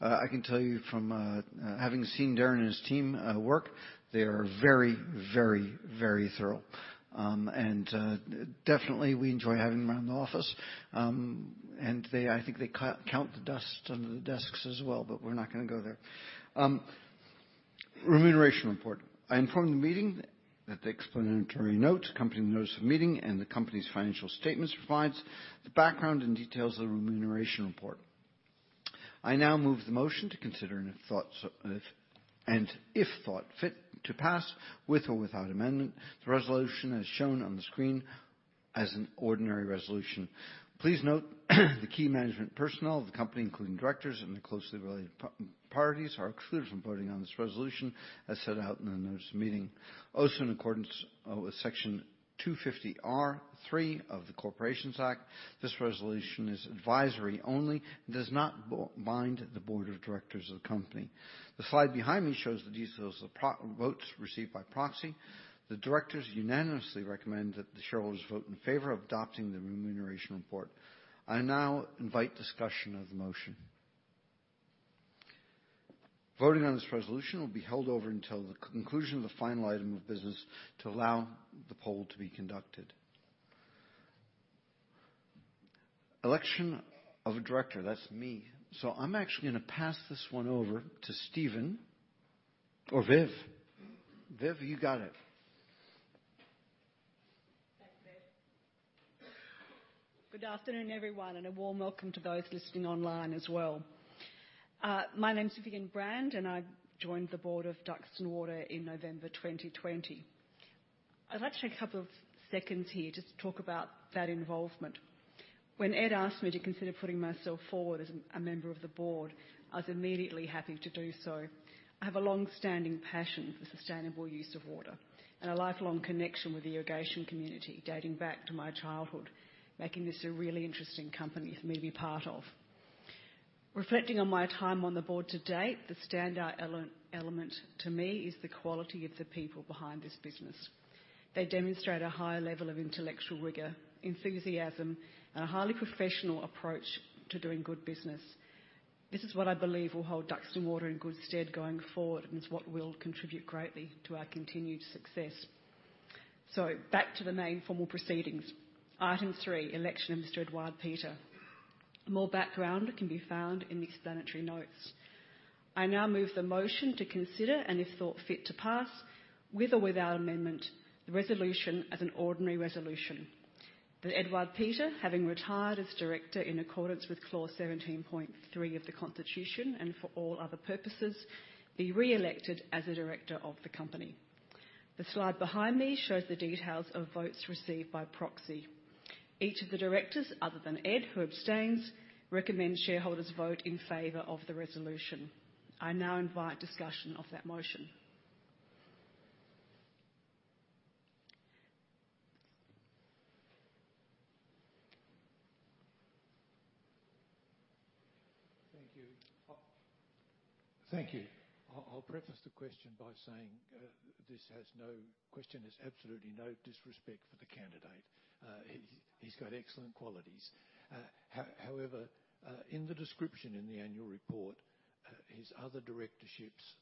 S1: I can tell you from, having seen Darren and his team, work, they are very, very, very thorough. Definitely we enjoy having them around the office. They, I think they co-count the dust under the desks as well, but we're not gonna go there. Remuneration report. I inform the meeting that the explanatory notes, accompanying notes for meeting and the company's financial statements provides the background and details of the remuneration report. I now move the motion to consider and if thought fit to pass with or without amendment, the resolution as shown on the screen as an ordinary resolution. Please note, the key management personnel of the company, including directors and their closely related parties, are excluded from voting on this resolution as set out in the notes of the meeting. Also in accordance with Section 250R(3) of the Corporations Act, this resolution is advisory only and does not bind the board of directors of the company. The slide behind me shows the details of votes received by proxy. The directors unanimously recommend that the shareholders vote in favor of adopting the remuneration report. I now invite discussion of the motion. Voting on this resolution will be held over until the conclusion of the final item of business to allow the poll to be conducted. Election of a director. That's me. I'm actually gonna pass this one over to Stephen or Viv. Viv, you got it.
S6: Thanks, Ed. Good afternoon, everyone, a warm welcome to those listening online as well. My name is Vivienne Brand, I joined the board of Duxton Water in November 2020. I'd like to take a couple of seconds here just to talk about that involvement. When Ed asked me to consider putting myself forward as a member of the board, I was immediately happy to do so. I have a long-standing passion for sustainable use of water and a lifelong connection with the irrigation community dating back to my childhood, making this a really interesting company for me to be part of. Reflecting on my time on the board to date, the standout element to me is the quality of the people behind this business. They demonstrate a high level of intellectual rigor, enthusiasm, and a highly professional approach to doing good business. This is what I believe will hold Duxton Water in good stead going forward, and it's what will contribute greatly to our continued success. Back to the main formal proceedings. Item three, election of Mr. Edouard Peter. More background can be found in the explanatory notes. I now move the motion to consider and if thought fit to pass with or without amendment, the resolution as an ordinary resolution. That Edouard Peter, having retired as director in accordance with clause 17.3 of the Constitution and for all other purposes, be reelected as a director of the company. The slide behind me shows the details of votes received by proxy. Each of the directors, other than Ed, who abstains, recommend shareholders vote in favor of the resolution. I now invite discussion of that motion.
S4: Thank you. Thank you. I'll preface the question by saying, this question has absolutely no disrespect for the candidate. He's got excellent qualities. However, in the description in the annual report, his other directorships,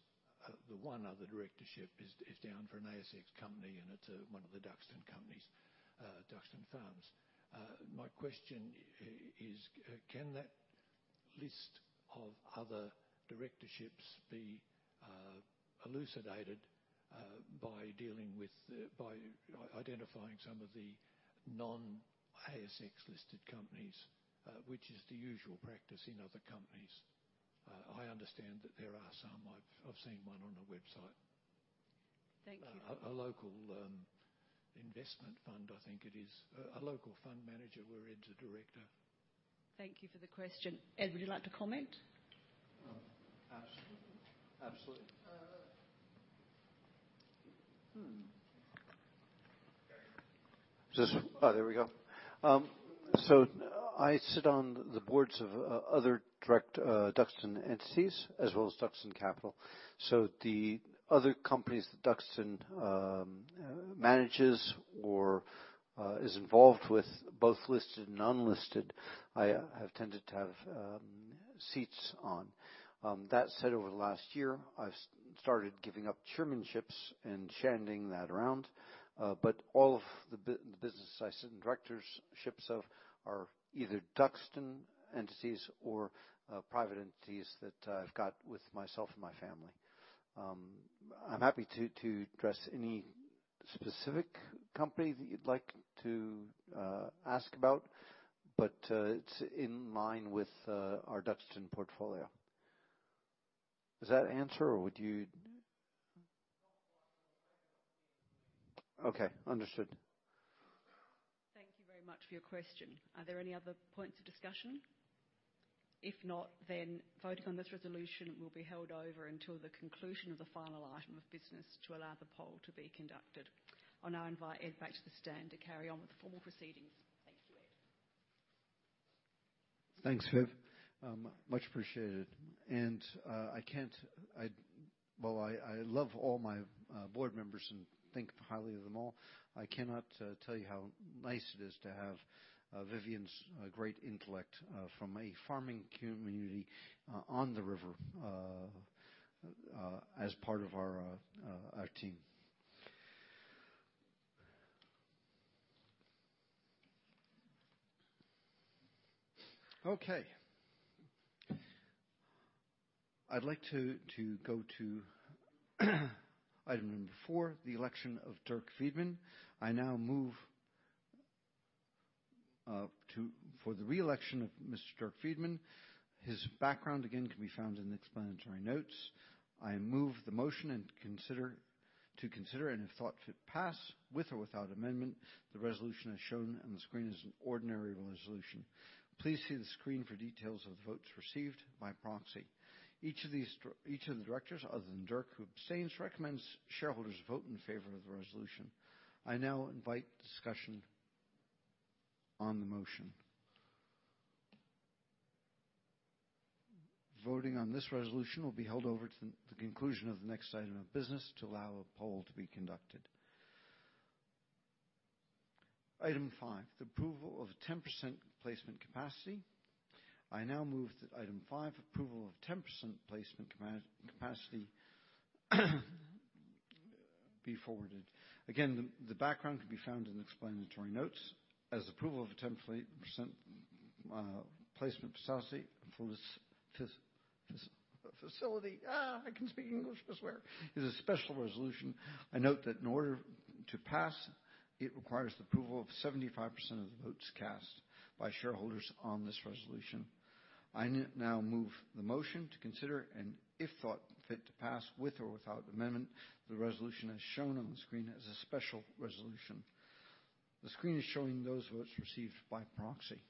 S4: the one other directorship is down for an ASX company, and it's one of the Duxton companies, Duxton Farms. My question is, can that list of other directorships be elucidated by dealing with by identifying some of the non-ASX listed companies, which is the usual practice in other companies? I understand that there are some. I've seen one on a website.
S6: Thank you.
S4: A local investment fund, I think it is. A local fund manager where Ed's a director.
S6: Thank you for the question. Ed, would you like to comment?
S1: Absolutely. Absolutely. I sit on the boards of other direct Duxton entities as well as Duxton Capital. The other companies that Duxton manages or is involved with, both listed and unlisted, I have tended to have seats on. That said, over the last year, I've started giving up chairmanships and sharing that around. All of the business I sit in directorships of are either Duxton entities or private entities that I've got with myself and my family. I'm happy to address any specific company that you'd like to ask about, it's in line with our Duxton portfolio. Does that answer?
S4: Understood.
S6: Thank you very much for your question. Are there any other points of discussion? If not, voting on this resolution will be held over until the conclusion of the final item of business to allow the poll to be conducted. I'll now invite Ed back to the stand to carry on with the formal proceedings. Thank you, Ed.
S1: Thanks, Viv. Much appreciated. I love all my board members and think highly of them all. I cannot tell you how nice it is to have Vivienne's great intellect from a farming community on the river as part of our team. Okay. I'd like to go to item number four, the election of Dirk Wiedmann. I now move for the re-election of Mr. Dirk Wiedmann. His background again can be found in the explanatory notes. I move the motion to consider, and if thought fit pass, with or without amendment, the resolution as shown on the screen is an ordinary resolution. Please see the screen for details of the votes received by proxy. Each of the directors, other than Dirk, who abstains, recommends shareholders vote in favor of the resolution. I now invite discussion on the motion. Voting on this resolution will be held over to the conclusion of the next item of business to allow a poll to be conducted. Item five, the approval of 10% placement capacity. I now move to item five, approval of 10% placement capacity be forwarded. Again, the background can be found in the explanatory notes. As approval of a 10% placement capacity facility, I can speak English, I swear, is a special resolution. I note that in order to pass, it requires the approval of 75% of the votes cast by shareholders on this resolution. I now move the motion to consider, and if thought fit to pass, with or without amendment, the resolution as shown on the screen is a special resolution. The screen is showing those votes received by proxy.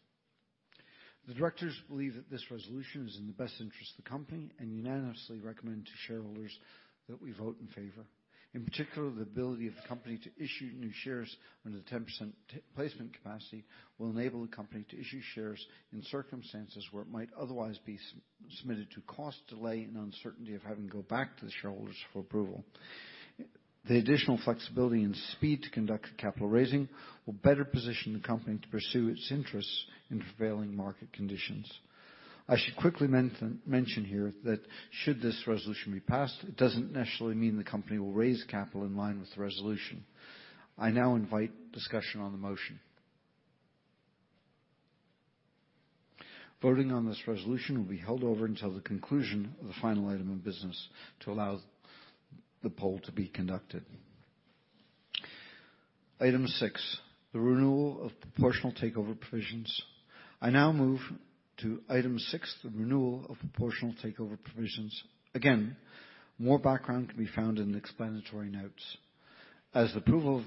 S1: The directors believe that this resolution is in the best interest of the company and unanimously recommend to shareholders that we vote in favor. In particular, the ability of the company to issue new shares under the 10% placement capacity will enable the company to issue shares in circumstances where it might otherwise be submitted to cost, delay, and uncertainty of having to go back to the shareholders for approval. The additional flexibility and speed to conduct capital raising will better position the company to pursue its interests in prevailing market conditions. I should quickly mention here that should this resolution be passed, it doesn't necessarily mean the company will raise capital in line with the resolution. I now invite discussion on the motion. Voting on this resolution will be held over until the conclusion of the final item of business to allow the poll to be conducted. Item 6, the renewal of proportional takeover provisions. I now move to item 6, the renewal of proportional takeover provisions. Again, more background can be found in the explanatory notes. As the approval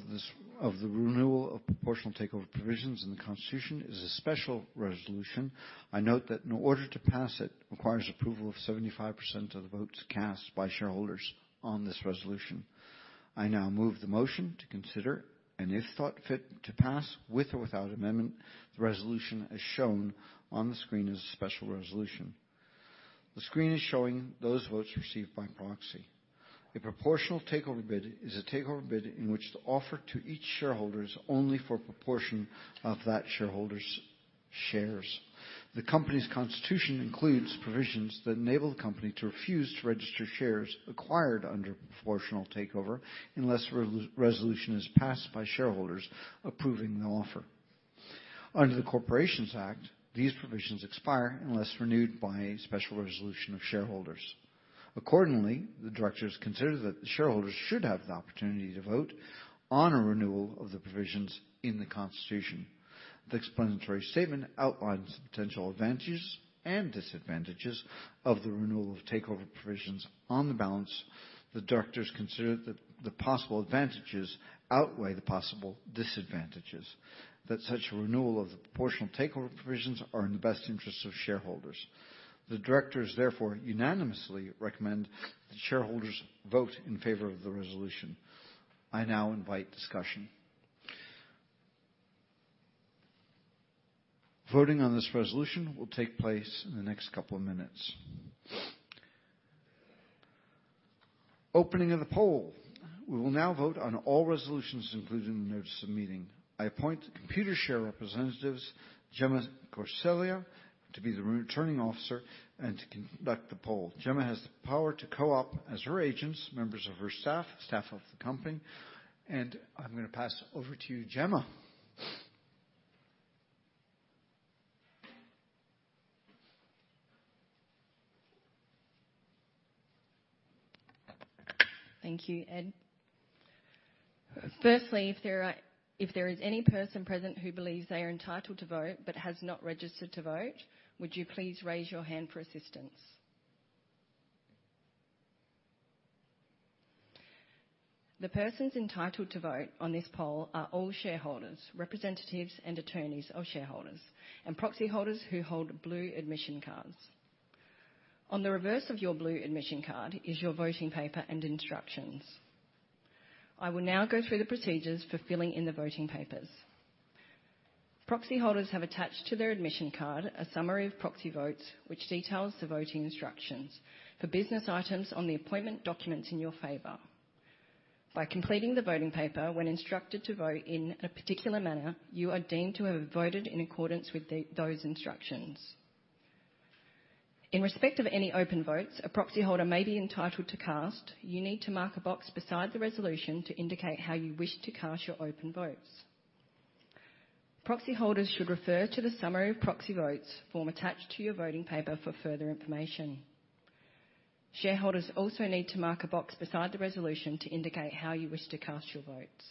S1: of the renewal of proportional takeover provisions in the constitution is a special resolution, I note that in order to pass it, requires approval of 75% of the votes ast by shareholders on this resolution. I now move the motion to consider, and if thought fit to pass, with or without amendment, the resolution as shown on the screen is a special resolution. The screen is showing those votes received by proxy. A proportional takeover bid is a takeover bid in which the offer to each shareholder is only for a proportion of that shareholder's shares. The company's constitution includes provisions that enable the company to refuse to register shares acquired under proportional takeover unless a resolution is passed by shareholders approving the offer. Under the Corporations Act, these provisions expire unless renewed by a special resolution of shareholders. Accordingly, the directors consider that the shareholders should have the opportunity to vote on a renewal of the provisions in the constitution. The explanatory statement outlines the potential advantages and disadvantages of the renewal of takeover provisions. On the balance, the directors consider that the possible advantages outweigh the possible disadvantages. That such a renewal of the proportional takeover provisions are in the best interests of shareholders. The directors therefore unanimously recommend that shareholders vote in favor of the resolution. I now invite discussion. Voting on this resolution will take place in the next couple of minutes. Opening of the poll. We will now vote on all resolutions included in the notice of meeting. I appoint Computershare representatives, Gemma Corselia, to be the Returning Officer and to conduct the poll. Gemma has the power to co-opt as her agents, members of her staff of the company. I'm gonna pass over to you, Gemma.
S7: Thank you, Ed. Firstly, if there is any person present who believes they are entitled to vote but has not registered to vote, would you please raise your hand for assistance? The persons entitled to vote on this poll are all shareholders, representatives, and attorneys of shareholders and proxy holders who hold blue admission cards. On the reverse of your blue admission card is your voting paper and instructions. I will now go through the procedures for filling in the voting papers. Proxy holders have attached to their admission card a summary of proxy votes, which details the voting instructions for business items on the appointment documents in your favor. By completing the voting paper when instructed to vote in a particular manner, you are deemed to have voted in accordance with those instructions. In respect of any open votes a proxy holder may be entitled to cast, you need to mark a box beside the resolution to indicate how you wish to cast your open votes. Proxy holders should refer to the summary of proxy votes form attached to your voting paper for further information. Shareholders also need to mark a box beside the resolution to indicate how you wish to cast your votes.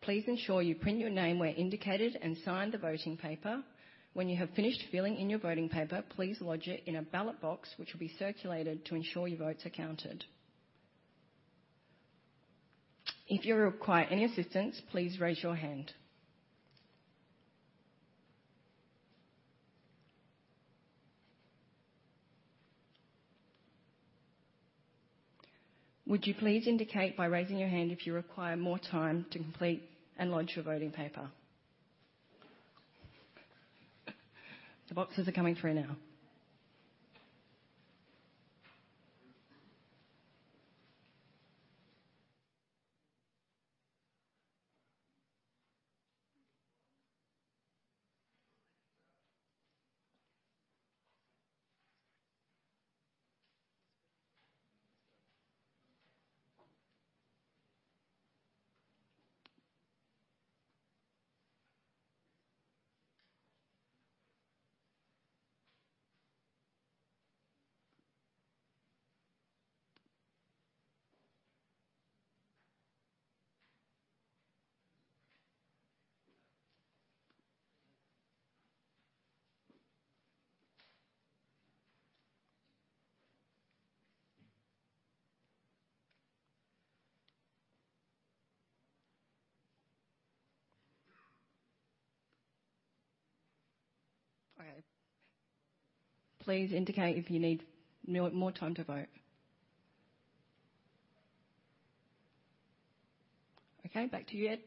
S7: Please ensure you print your name where indicated and sign the voting paper. When you have finished filling in your voting paper, please lodge it in a ballot box which will be circulated to ensure your votes are counted. If you require any assistance, please raise your hand. Would you please indicate by raising your hand if you require more time to complete and lodge your voting paper? The boxes are coming through now. Okay. Please indicate if you need more time to vote. Okay, back to you, Ed.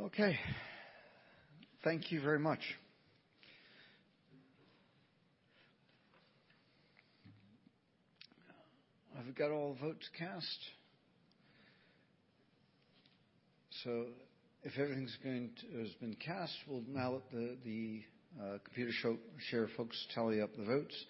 S1: Okay. Thank you very much. Have we got all votes cast? If everything has been cast, we'll now let the Computershare folks tally up the votes.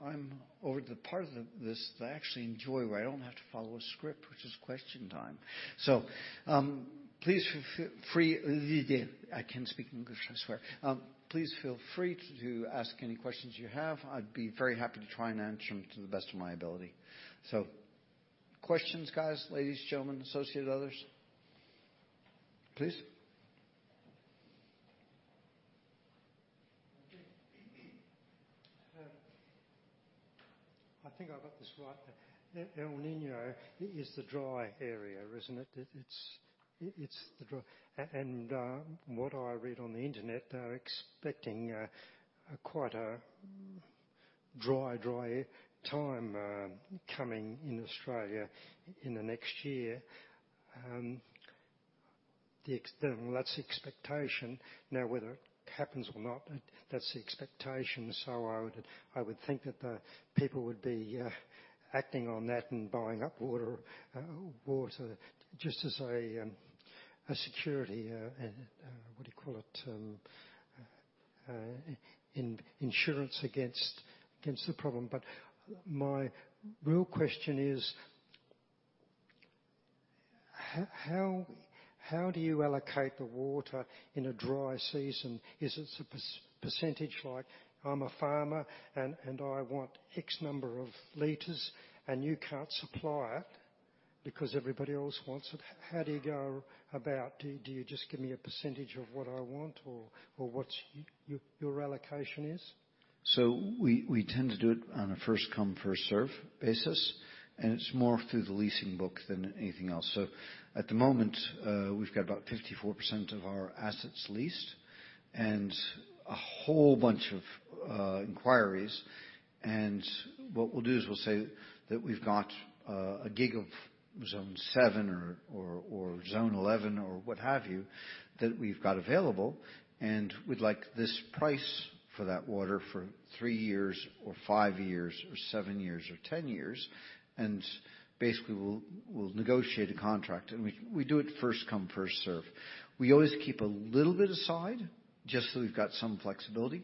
S1: I'm over the part of this that I actually enjoy, where I don't have to follow a script, which is question time. Please feel free. I can speak English, I swear. Please feel free to ask any questions you have. I'd be very happy to try and answer them to the best of my ability. Questions guys, ladies, gentlemen, associate, others. Please.
S8: I think I got this right. El Niño is the dry area, isn't it? It's the dry... What I read on the Internet, they're expecting quite a dry time coming in Australia in the next year. Well, that's the expectation. Now, whether it happens or not, that's the expectation. I would think that the people would be acting on that and buying up water just as a security. What do you call it, insurance against the problem. My real question is how do you allocate the water in a dry season? Is it a percentage like I'm a farmer and I want X number of liters, and you can't supply it because everybody else wants it? How do you go about...Do you just give me a % of what I want or what your allocation is?
S1: We tend to do it on a first come, first serve basis, and it's more through the leasing book than anything else. At the moment, we've got about 54% of our assets leased and a whole bunch of inquiries. What we'll do is we'll say that we've got a gig of zone 7 or zone 11 or what have you, that we've got available, and we'd like this price for that water for three years or five years or seven years or 10 years. Basically, we'll negotiate a contract. We do it first come, first serve. We always keep a little bit aside just so we've got some flexibility.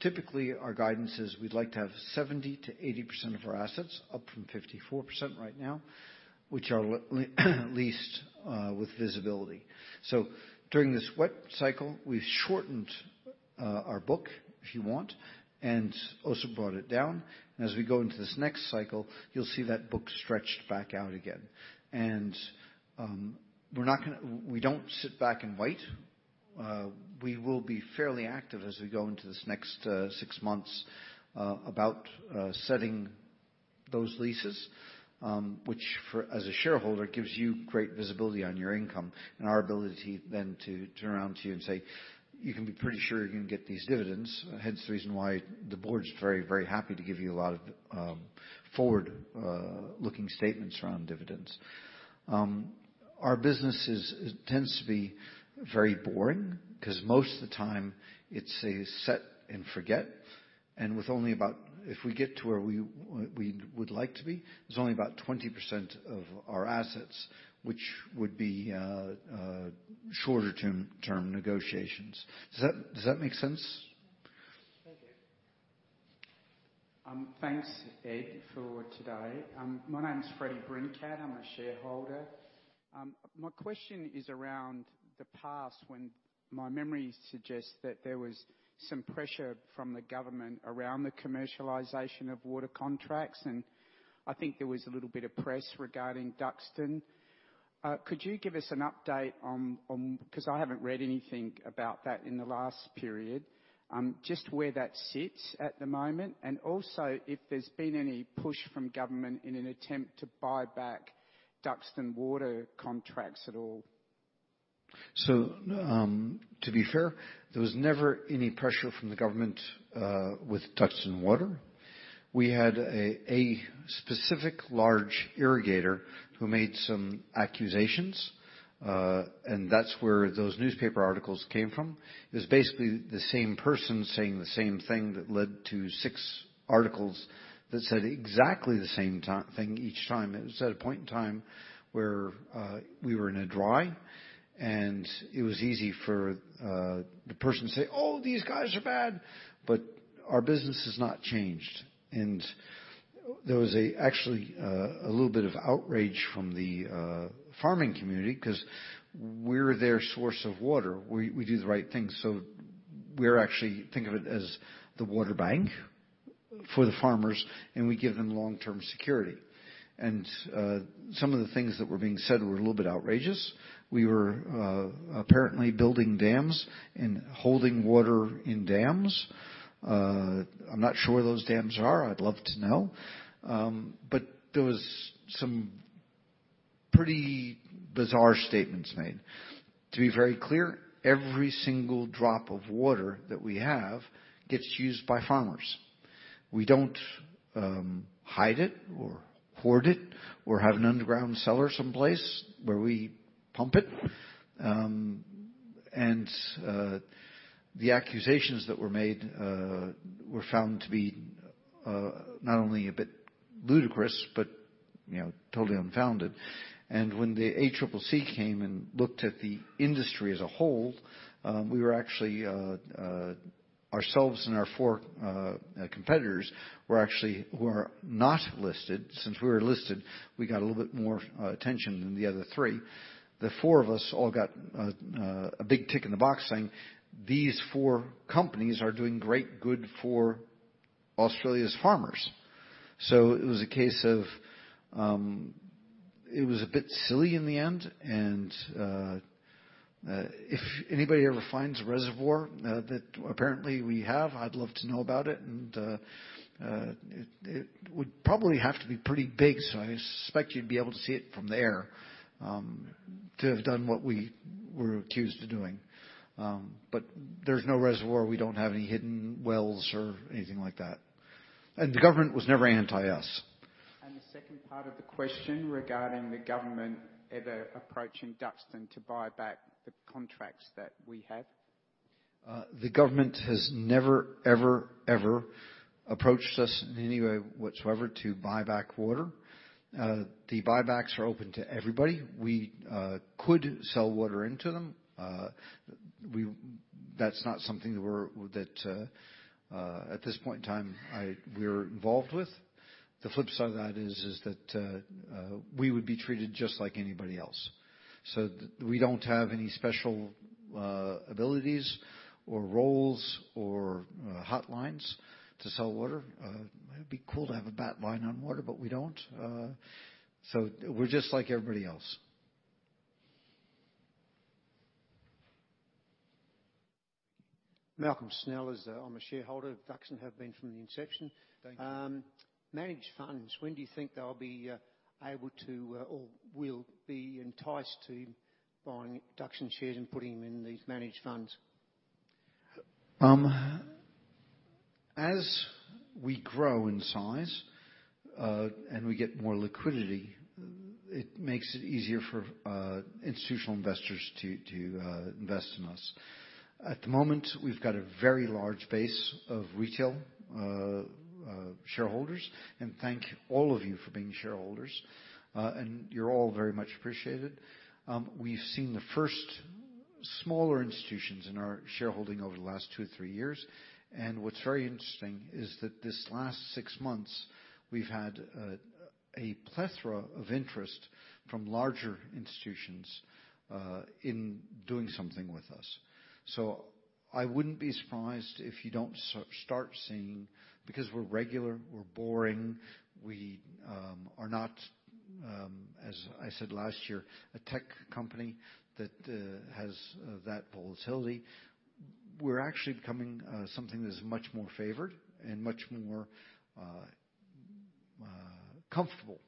S1: Typically, our guidance is we'd like to have 70%-80% of our assets, up from 54% right now, which are leased with visibility. During this wet cycle, we've shortened our book, if you want, and also brought it down. As we go into this next cycle, you'll see that book stretched back out again. We don't sit back and wait. We will be fairly active as we go into this next six months about setting those leases, as a shareholder, gives you great visibility on your income and our ability then to turn around to you and say, "You can be pretty sure you're gonna get these dividends." The reason why the board's very, very happy to give you a lot of forward looking statements around dividends. Our business is, tends to be very boring, 'cause most of the time it's a set and forget. With only about... If we get to where we would like to be, there's only about 20% of our assets, which would be shorter term negotiations. Does that make sense?
S8: Thank you.
S9: Thanks, Ed, for today. My name is Freddy Brincat, I'm a shareholder. My question is around the past, when my memory suggests that there was some pressure from the government around the commercialization of water contracts, and I think there was a little bit of press regarding Duxton. Could you give us an update 'Cause I haven't read anything about that in the last period. Just where that sits at the moment, and also if there's been any push from government in an attempt to buy back Duxton Water contracts at all?
S1: To be fair, there was never any pressure from the government with Duxton Water. We had a specific large irrigator who made some accusations, and that's where those newspaper articles came from. It was basically the same person saying the same thing that led to six articles that said exactly the same thing each time. It was at a point in time where we were in a dry, and it was easy for the person to say, "Oh, these guys are bad." But our business has not changed. There was actually a little bit of outrage from the farming community 'cause we're their source of water. We do the right thing, so we're actually think of it as the water bank for the farmers, and we give them long-term security. Some of the things that were being said were a little bit outrageous. We were apparently building dams and holding water in dams. I'm not sure where those dams are. I'd love to know. There was some pretty bizarre statements made. To be very clear, every single drop of water that we have gets used by farmers. We don't hide it or hoard it or have an underground cellar someplace where we pump it. The accusations that were made were found to be not only a bit ludicrous, but, you know, totally unfounded. When the ACCC came and looked at the industry as a whole, we were actually ourselves and our four competitors were not listed. Since we were listed, we got a little bit more attention than the other three. The four of us all got a big tick in the box saying, "These four companies are doing great good for Australia's farmers." It was a case of... It was a bit silly in the end, if anybody ever finds a reservoir that apparently we have, I'd love to know about it. It would probably have to be pretty big, so I suspect you'd be able to see it from the air to have done what we were accused of doing. But there's no reservoir. We don't have any hidden wells or anything like that. The government was never anti-us.
S9: The second part of the question regarding the government ever approaching Duxton to buy back the contracts that we have.
S1: The government has never, ever approached us in any way whatsoever to buy back water. The buybacks are open to everybody. We could sell water into them. That's not something that we're at this point in time involved with. The flip side of that is that we would be treated just like anybody else. We don't have any special abilities or roles or hotlines to sell water. It'd be cool to have a bat line on water, but we don't. We're just like everybody else.
S10: Malcolm Snell. I'm a shareholder of Duxton, have been from the inception.
S1: Thank you.
S10: Managed funds, when do you think they'll be able to or will be enticed to buying Duxton shares and putting them in these managed funds?
S1: As we grow in size, and we get more liquidity, it makes it easier for institutional investors to invest in us. At the moment, we've got a very large base of retail shareholders. Thank all of you for being shareholders. You're all very much appreciated. We've seen the first smaller institutions in our shareholding over the last 2-3 years. What's very interesting is that this last 6 months, we've had a plethora of interest from larger institutions in doing something with us. I wouldn't be surprised if you don't start seeing... because we're regular, we're boring, we are not, as I said last year, a tech company that has that volatility. We're actually becoming something that is much more favored and much more comfortable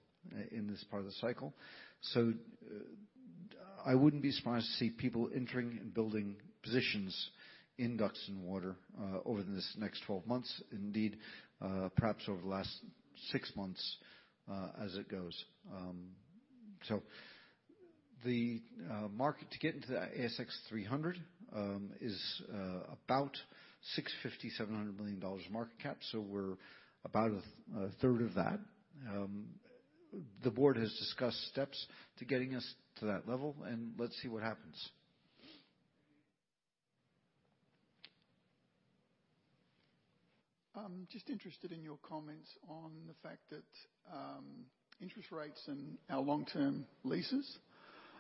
S1: in this part of the cycle. I wouldn't be surprised to see people entering and building positions in Duxton Water over this next 12 months, indeed, perhaps over the last six months, as it goes. The market to get into the ASX 300 is about 650 million-700 million dollars market cap. We're about a third of that. The board has discussed steps to getting us to that level, let's see what happens.
S10: I'm just interested in your comments on the fact that, interest rates and our long-term leases,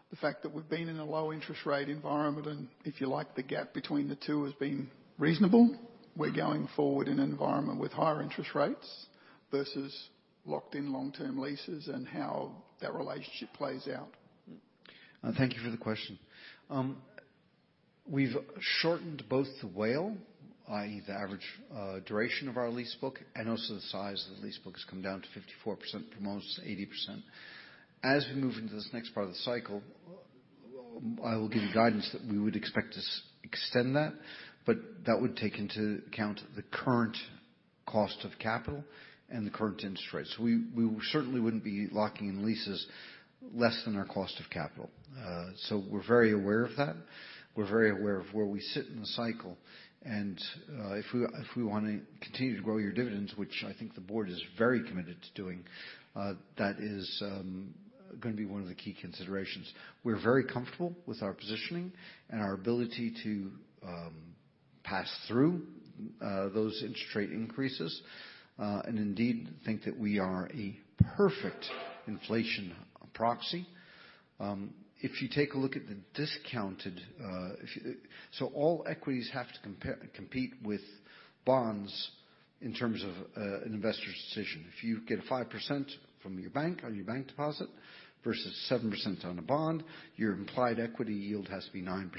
S10: the fact that we've been in a low interest rate environment, and if you like, the gap between the two has been reasonable. We're going forward in an environment with higher interest rates versus locked in long-term leases and how that relationship plays out.
S1: Thank you for the question. We've shortened both the WAIL, i.e. the average duration of our lease book, and also the size of the lease book has come down to 54% from almost 80%. As we move into this next part of the cycle, I will give you guidance that we would expect to extend that, but that would take into account the current cost of capital and the current interest rates. We certainly wouldn't be locking in leases less than our cost of capital. We're very aware of that. We're very aware of where we sit in the cycle. If we wanna continue to grow your dividends, which I think the board is very committed to doing, that is gonna be one of the key considerations. We're very comfortable with our positioning and our ability to pass through those interest rate increases and indeed think that we are a perfect inflation proxy. If you take a look at the discounted. All equities have to compete with bonds in terms of an investor's decision. If you get a 5% from your bank on your bank deposit versus 7% on a bond, your implied equity yield has to be 9%.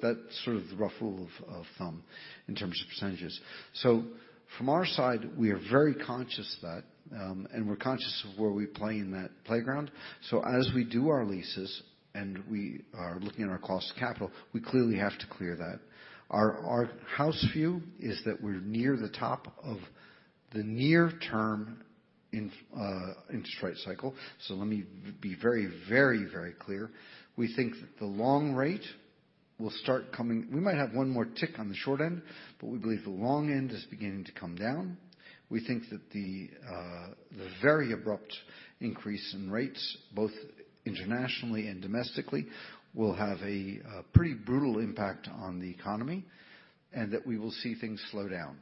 S1: That's sort of the rule of thumb in terms of percentages. From our side, we are very conscious of that, and we're conscious of where we play in that playground. As we do our leases and we are looking at our cost of capital, we clearly have to clear that. Our house view is that we're near the top of the near term interest rate cycle. Let me be very, very, very clear. We think that the long rate will start coming... We might have one more tick on the short end, but we believe the long end is beginning to come down. We think that the very abrupt increase in rates, both internationally and domestically, will have a pretty brutal impact on the economy and that we will see things slow down.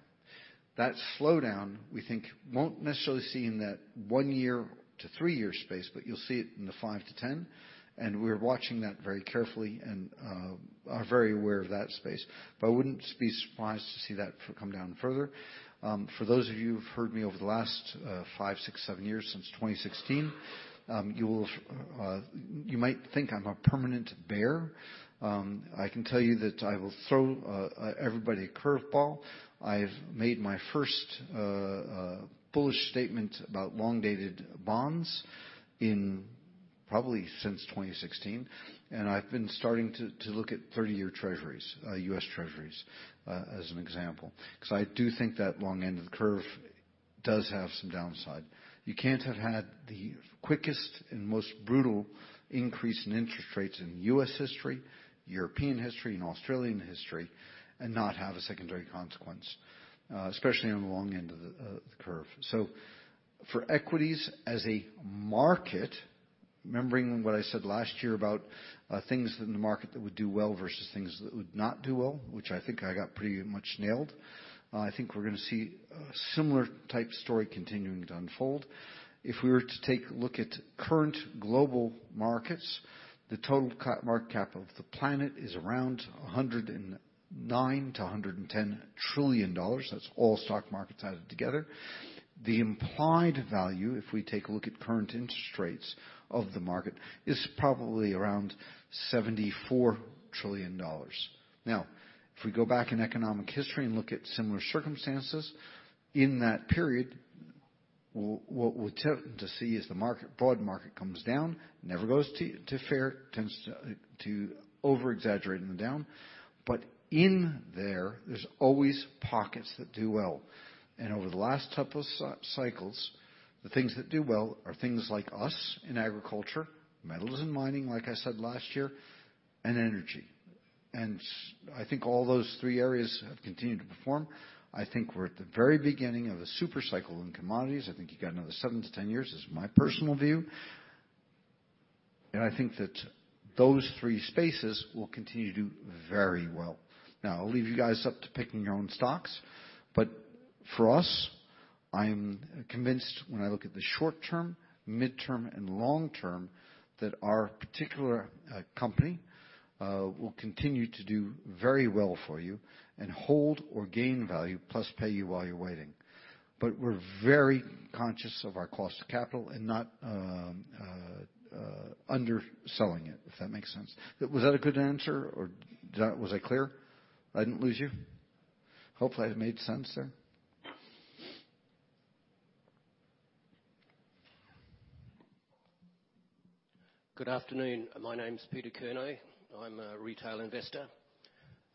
S1: That slowdown, we think, won't necessarily see in that 1 year to 3 year space, but you'll see it in the 5 to 10. We're watching that very carefully and, are very aware of that space. I wouldn't be surprised to see that come down further. For those of you who've heard me over the last 5, 6, 7 years since 2016, you might think I'm a permanent bear. I can tell you that I will throw everybody a curve ball. I've made my first bullish statement about long-dated bonds probably since 2016, and I've been starting to look at 30-year treasuries, U.S. treasuries, as an example, because I do think that long end of the curve does have some downside. You can't have had the quickest and most brutal increase in interest rates in U.S. history, European history, and Australian history and not have a secondary consequence, especially on the long end of the curve. For equities as a market, remembering what I said last year about things in the market that would do well versus things that would not do well, which I think I got pretty much nailed. I think we're gonna see a similar type story continuing to unfold. If we were to take a look at current global markets, the total market capital of the planet is around 109 trillion-110 trillion dollars. That's all stock markets added together. The implied value, if we take a look at current interest rates of the market, is probably around 74 trillion dollars. If we go back in economic history and look at similar circumstances, in that period, what we're tempted to see is the market, broad market comes down, never goes to fair, tends to over-exaggerate in the down. In there's always pockets that do well. Over the last couple of cycles, the things that do well are things like us in agriculture, metals and mining, like I said last year, and energy. I think all those three areas have continued to perform. I think we're at the very beginning of a super cycle in commodities. I think you got another 7-10 years is my personal view. I think that those three spaces will continue to do very well. I'll leave you guys up to picking your own stocks, but for us, I'm convinced when I look at the short term, midterm, and long term, that our particular company will continue to do very well for you and hold or gain value plus pay y while you're waiting. We're very conscious of our cost of capital and not under selling it, if that makes sense. Was that a good answer? Was I clear? I didn't lose you? Hopefully, I made sense there.
S11: Good afternoon. My name is Peter Kernow. I'm a retail investor.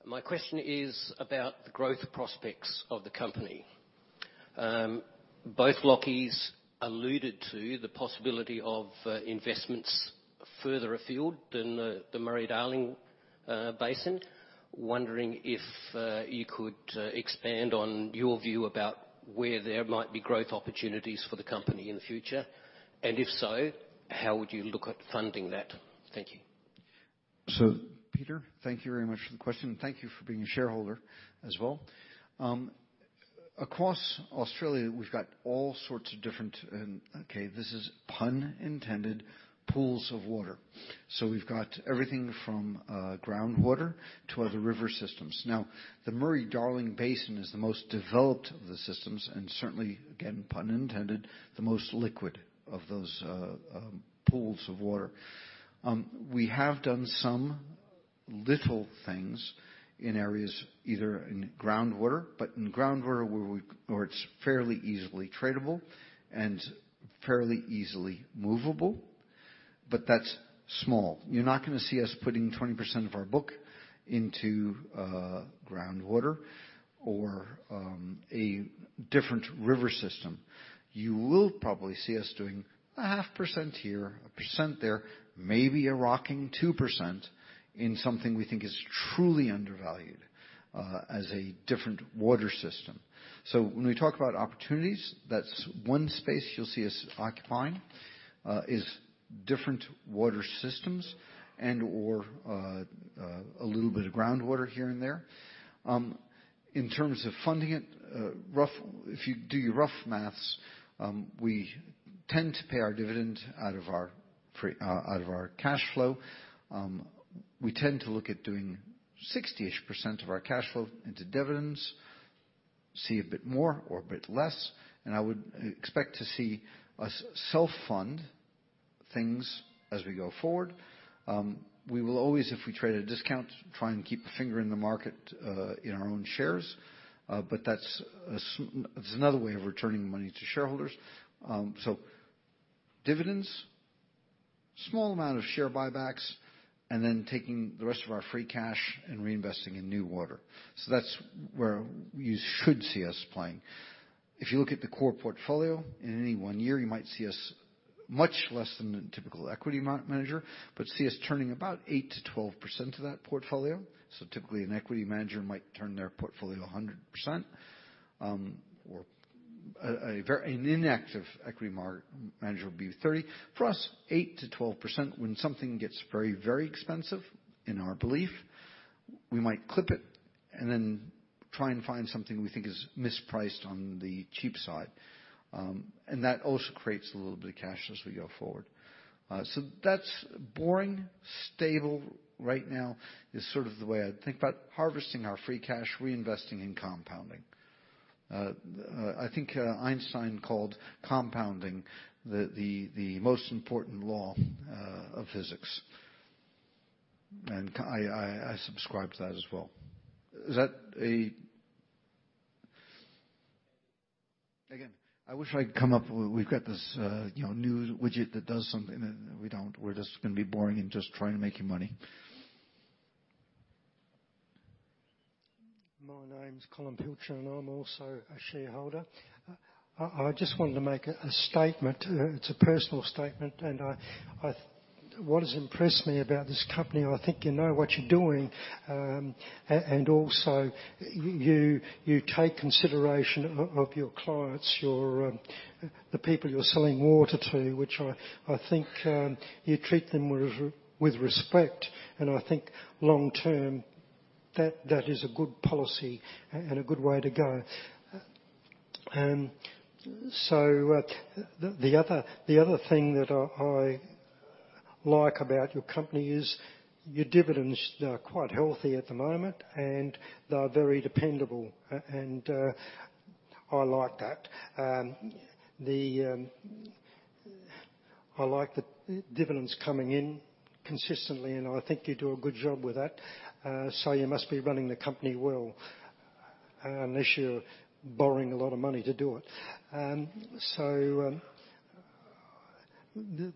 S11: My question is about the growth prospects of the company. both Lachies alluded to the possibility of investments further afield than the Murray-Darling Basin. Wondering if you could expand on your view about where there might be growth opportunities for the company in the future? If so, how would you look at funding that? Thank you.
S1: Peter, thank you very much for the question. Thank you for being a shareholder as well. Across Australia, we've got all sorts of different, and okay, this is pun intended, pools of water. We've got everything from groundwater to other river systems. The Murray-Darling Basin is the most developed of the systems, and certainly, again, pun intended, the most liquid of those pools of water. We have done some little things in areas, either in groundwater, but in groundwater where it's fairly easily tradable and fairly easily movable, but that's small. You're not gonna see us putting 20% of our book into groundwater or a different river system. You will probably see us doing 0.5% here, 1% there, maybe a rocking 2% in something we think is truly undervalued as a different water system. When we talk about opportunities, that's one space you'll see us occupying is different water systems and or a little bit of groundwater here and there. In terms of funding it, if you do your rough math, we tend to pay our dividend out of our cash flow. We tend to look at doing 60%-ish of our cash flow into dividends, see a bit more or a bit less, and I would expect to see us self-fund things as we go forward. We will always, if we trade at a discount, try and keep a finger in the market, in our own shares, but that's another way of returning money to shareholders. Dividends, small amount of share buybacks, and then taking the rest of our free cash and reinvesting in new water. That's where you should see us playing. If you look at the core portfolio, in any one year, you might see us much less than a typical equity manager, but see us turning about 8%-12% of that portfolio. Typically, an equity manager might turn their portfolio 100%, or a very inactive equity manager will be 30. For us, 8%-12%. When something gets very, very expensive in our belief, we might clip it and then try and find something we think is mispriced on the cheap side. That also creates a little bit of cash as we go forward. So that's boring. Stable right now is sort of the way I think about harvesting our free cash, reinvesting, and compounding. I think Einstein called compounding the most important law of physics. I subscribe to that as well. Again, I wish I'd come up. We've got this, you know, new widget that does something and we don't. We're just gonna be boring and just trying to make you money.
S12: My name's Colin Pilcher, I'm also a shareholder. I just wanted to make a statement. It's a personal statement, and I... What has impressed me about this company, I think you know what you're doing, and also you take consideration of your clients, your the people you're selling water to, which I think you treat them with respect, and I think long term, that is a good policy and a good way to go. The other thing that I like about your company is your dividends, they are quite healthy at the moment, and they are very dependable, and I like that. I like the dividends coming in consistently, and I think you do a good job with that. You must be running the company well, unless you're borrowing a lot of money to do it.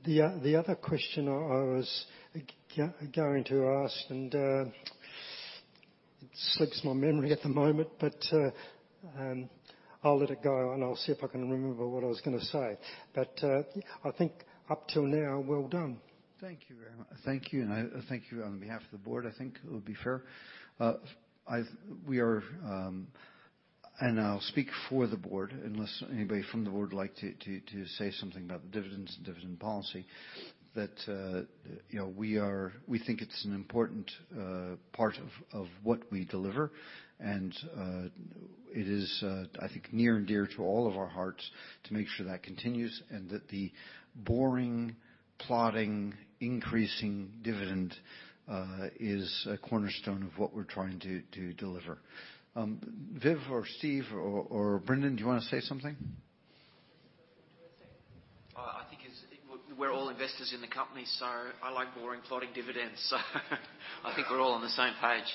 S12: The other question I was going to ask and it slips my memory at the moment, but I'll let it go, and I'll see if I can remember what I was going to say. I think up till now, well done. Thank you very much.
S1: Thank you. I thank you on behalf of the board. I think it would be fair. We are, I'll speak for the board, unless anybody from the board would like to say something about the dividends, dividend policy that, you know, we are. We think it's an important part of what we deliver. It is, I think near and dear to all of our hearts to make sure that continues and that the boring, plodding, increasing dividend is a cornerstone of what we're trying to deliver. Viv or Steve or Brendan, do you wanna say something?
S13: I think We're all investors in the company, so I like boring, plodding dividends. I think we're all on the same page.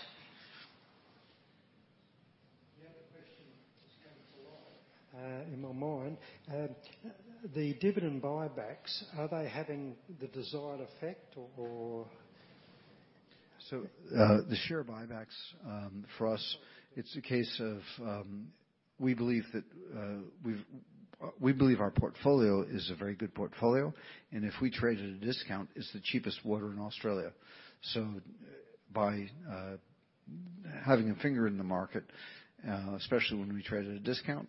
S12: The other question that just comes to mind, in my mind, the dividend buybacks, are they having the desired effect or.
S1: The share buybacks, for us, it's a case of, we believe that we believe our portfolio is a very good portfolio, and if we trade at a discount, it's the cheapest water in Australia. By having a finger in the market, especially when we trade at a discount,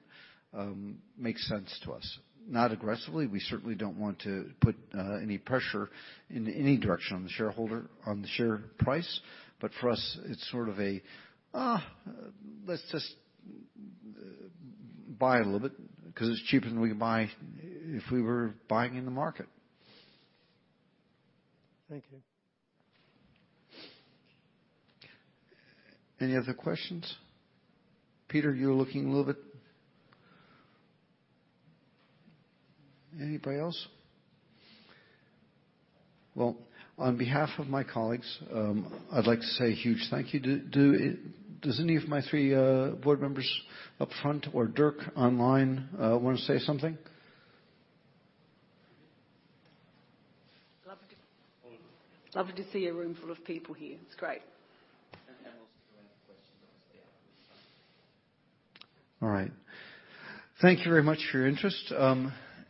S1: makes sense to us. Not aggressively. We certainly don't want to put any pressure in any direction on the shareholder, on the share price. For us, it's sort of a, let's just buy a little bit 'cause it's cheaper than we could buy if we were buying in the market.
S12: Thank you.
S1: Any other questions? Peter, you're looking a little bit... Anybody else? On behalf of my colleagues, I'd like to say a huge thank you. Do any of my 3 board members up front or Dirk online wanna say something?
S14: All of you. Lovely to see a room full of people here. It's great. Also to answer questions that was raised.
S1: All right. Thank you very much for your interest.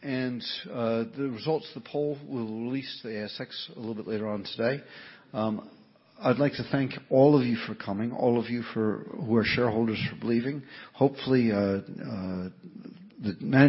S1: The results of the poll we'll release to the ASX a little bit later on today. I'd like to thank all of you for coming, all of you who are shareholders for believing. Hopefully, the next.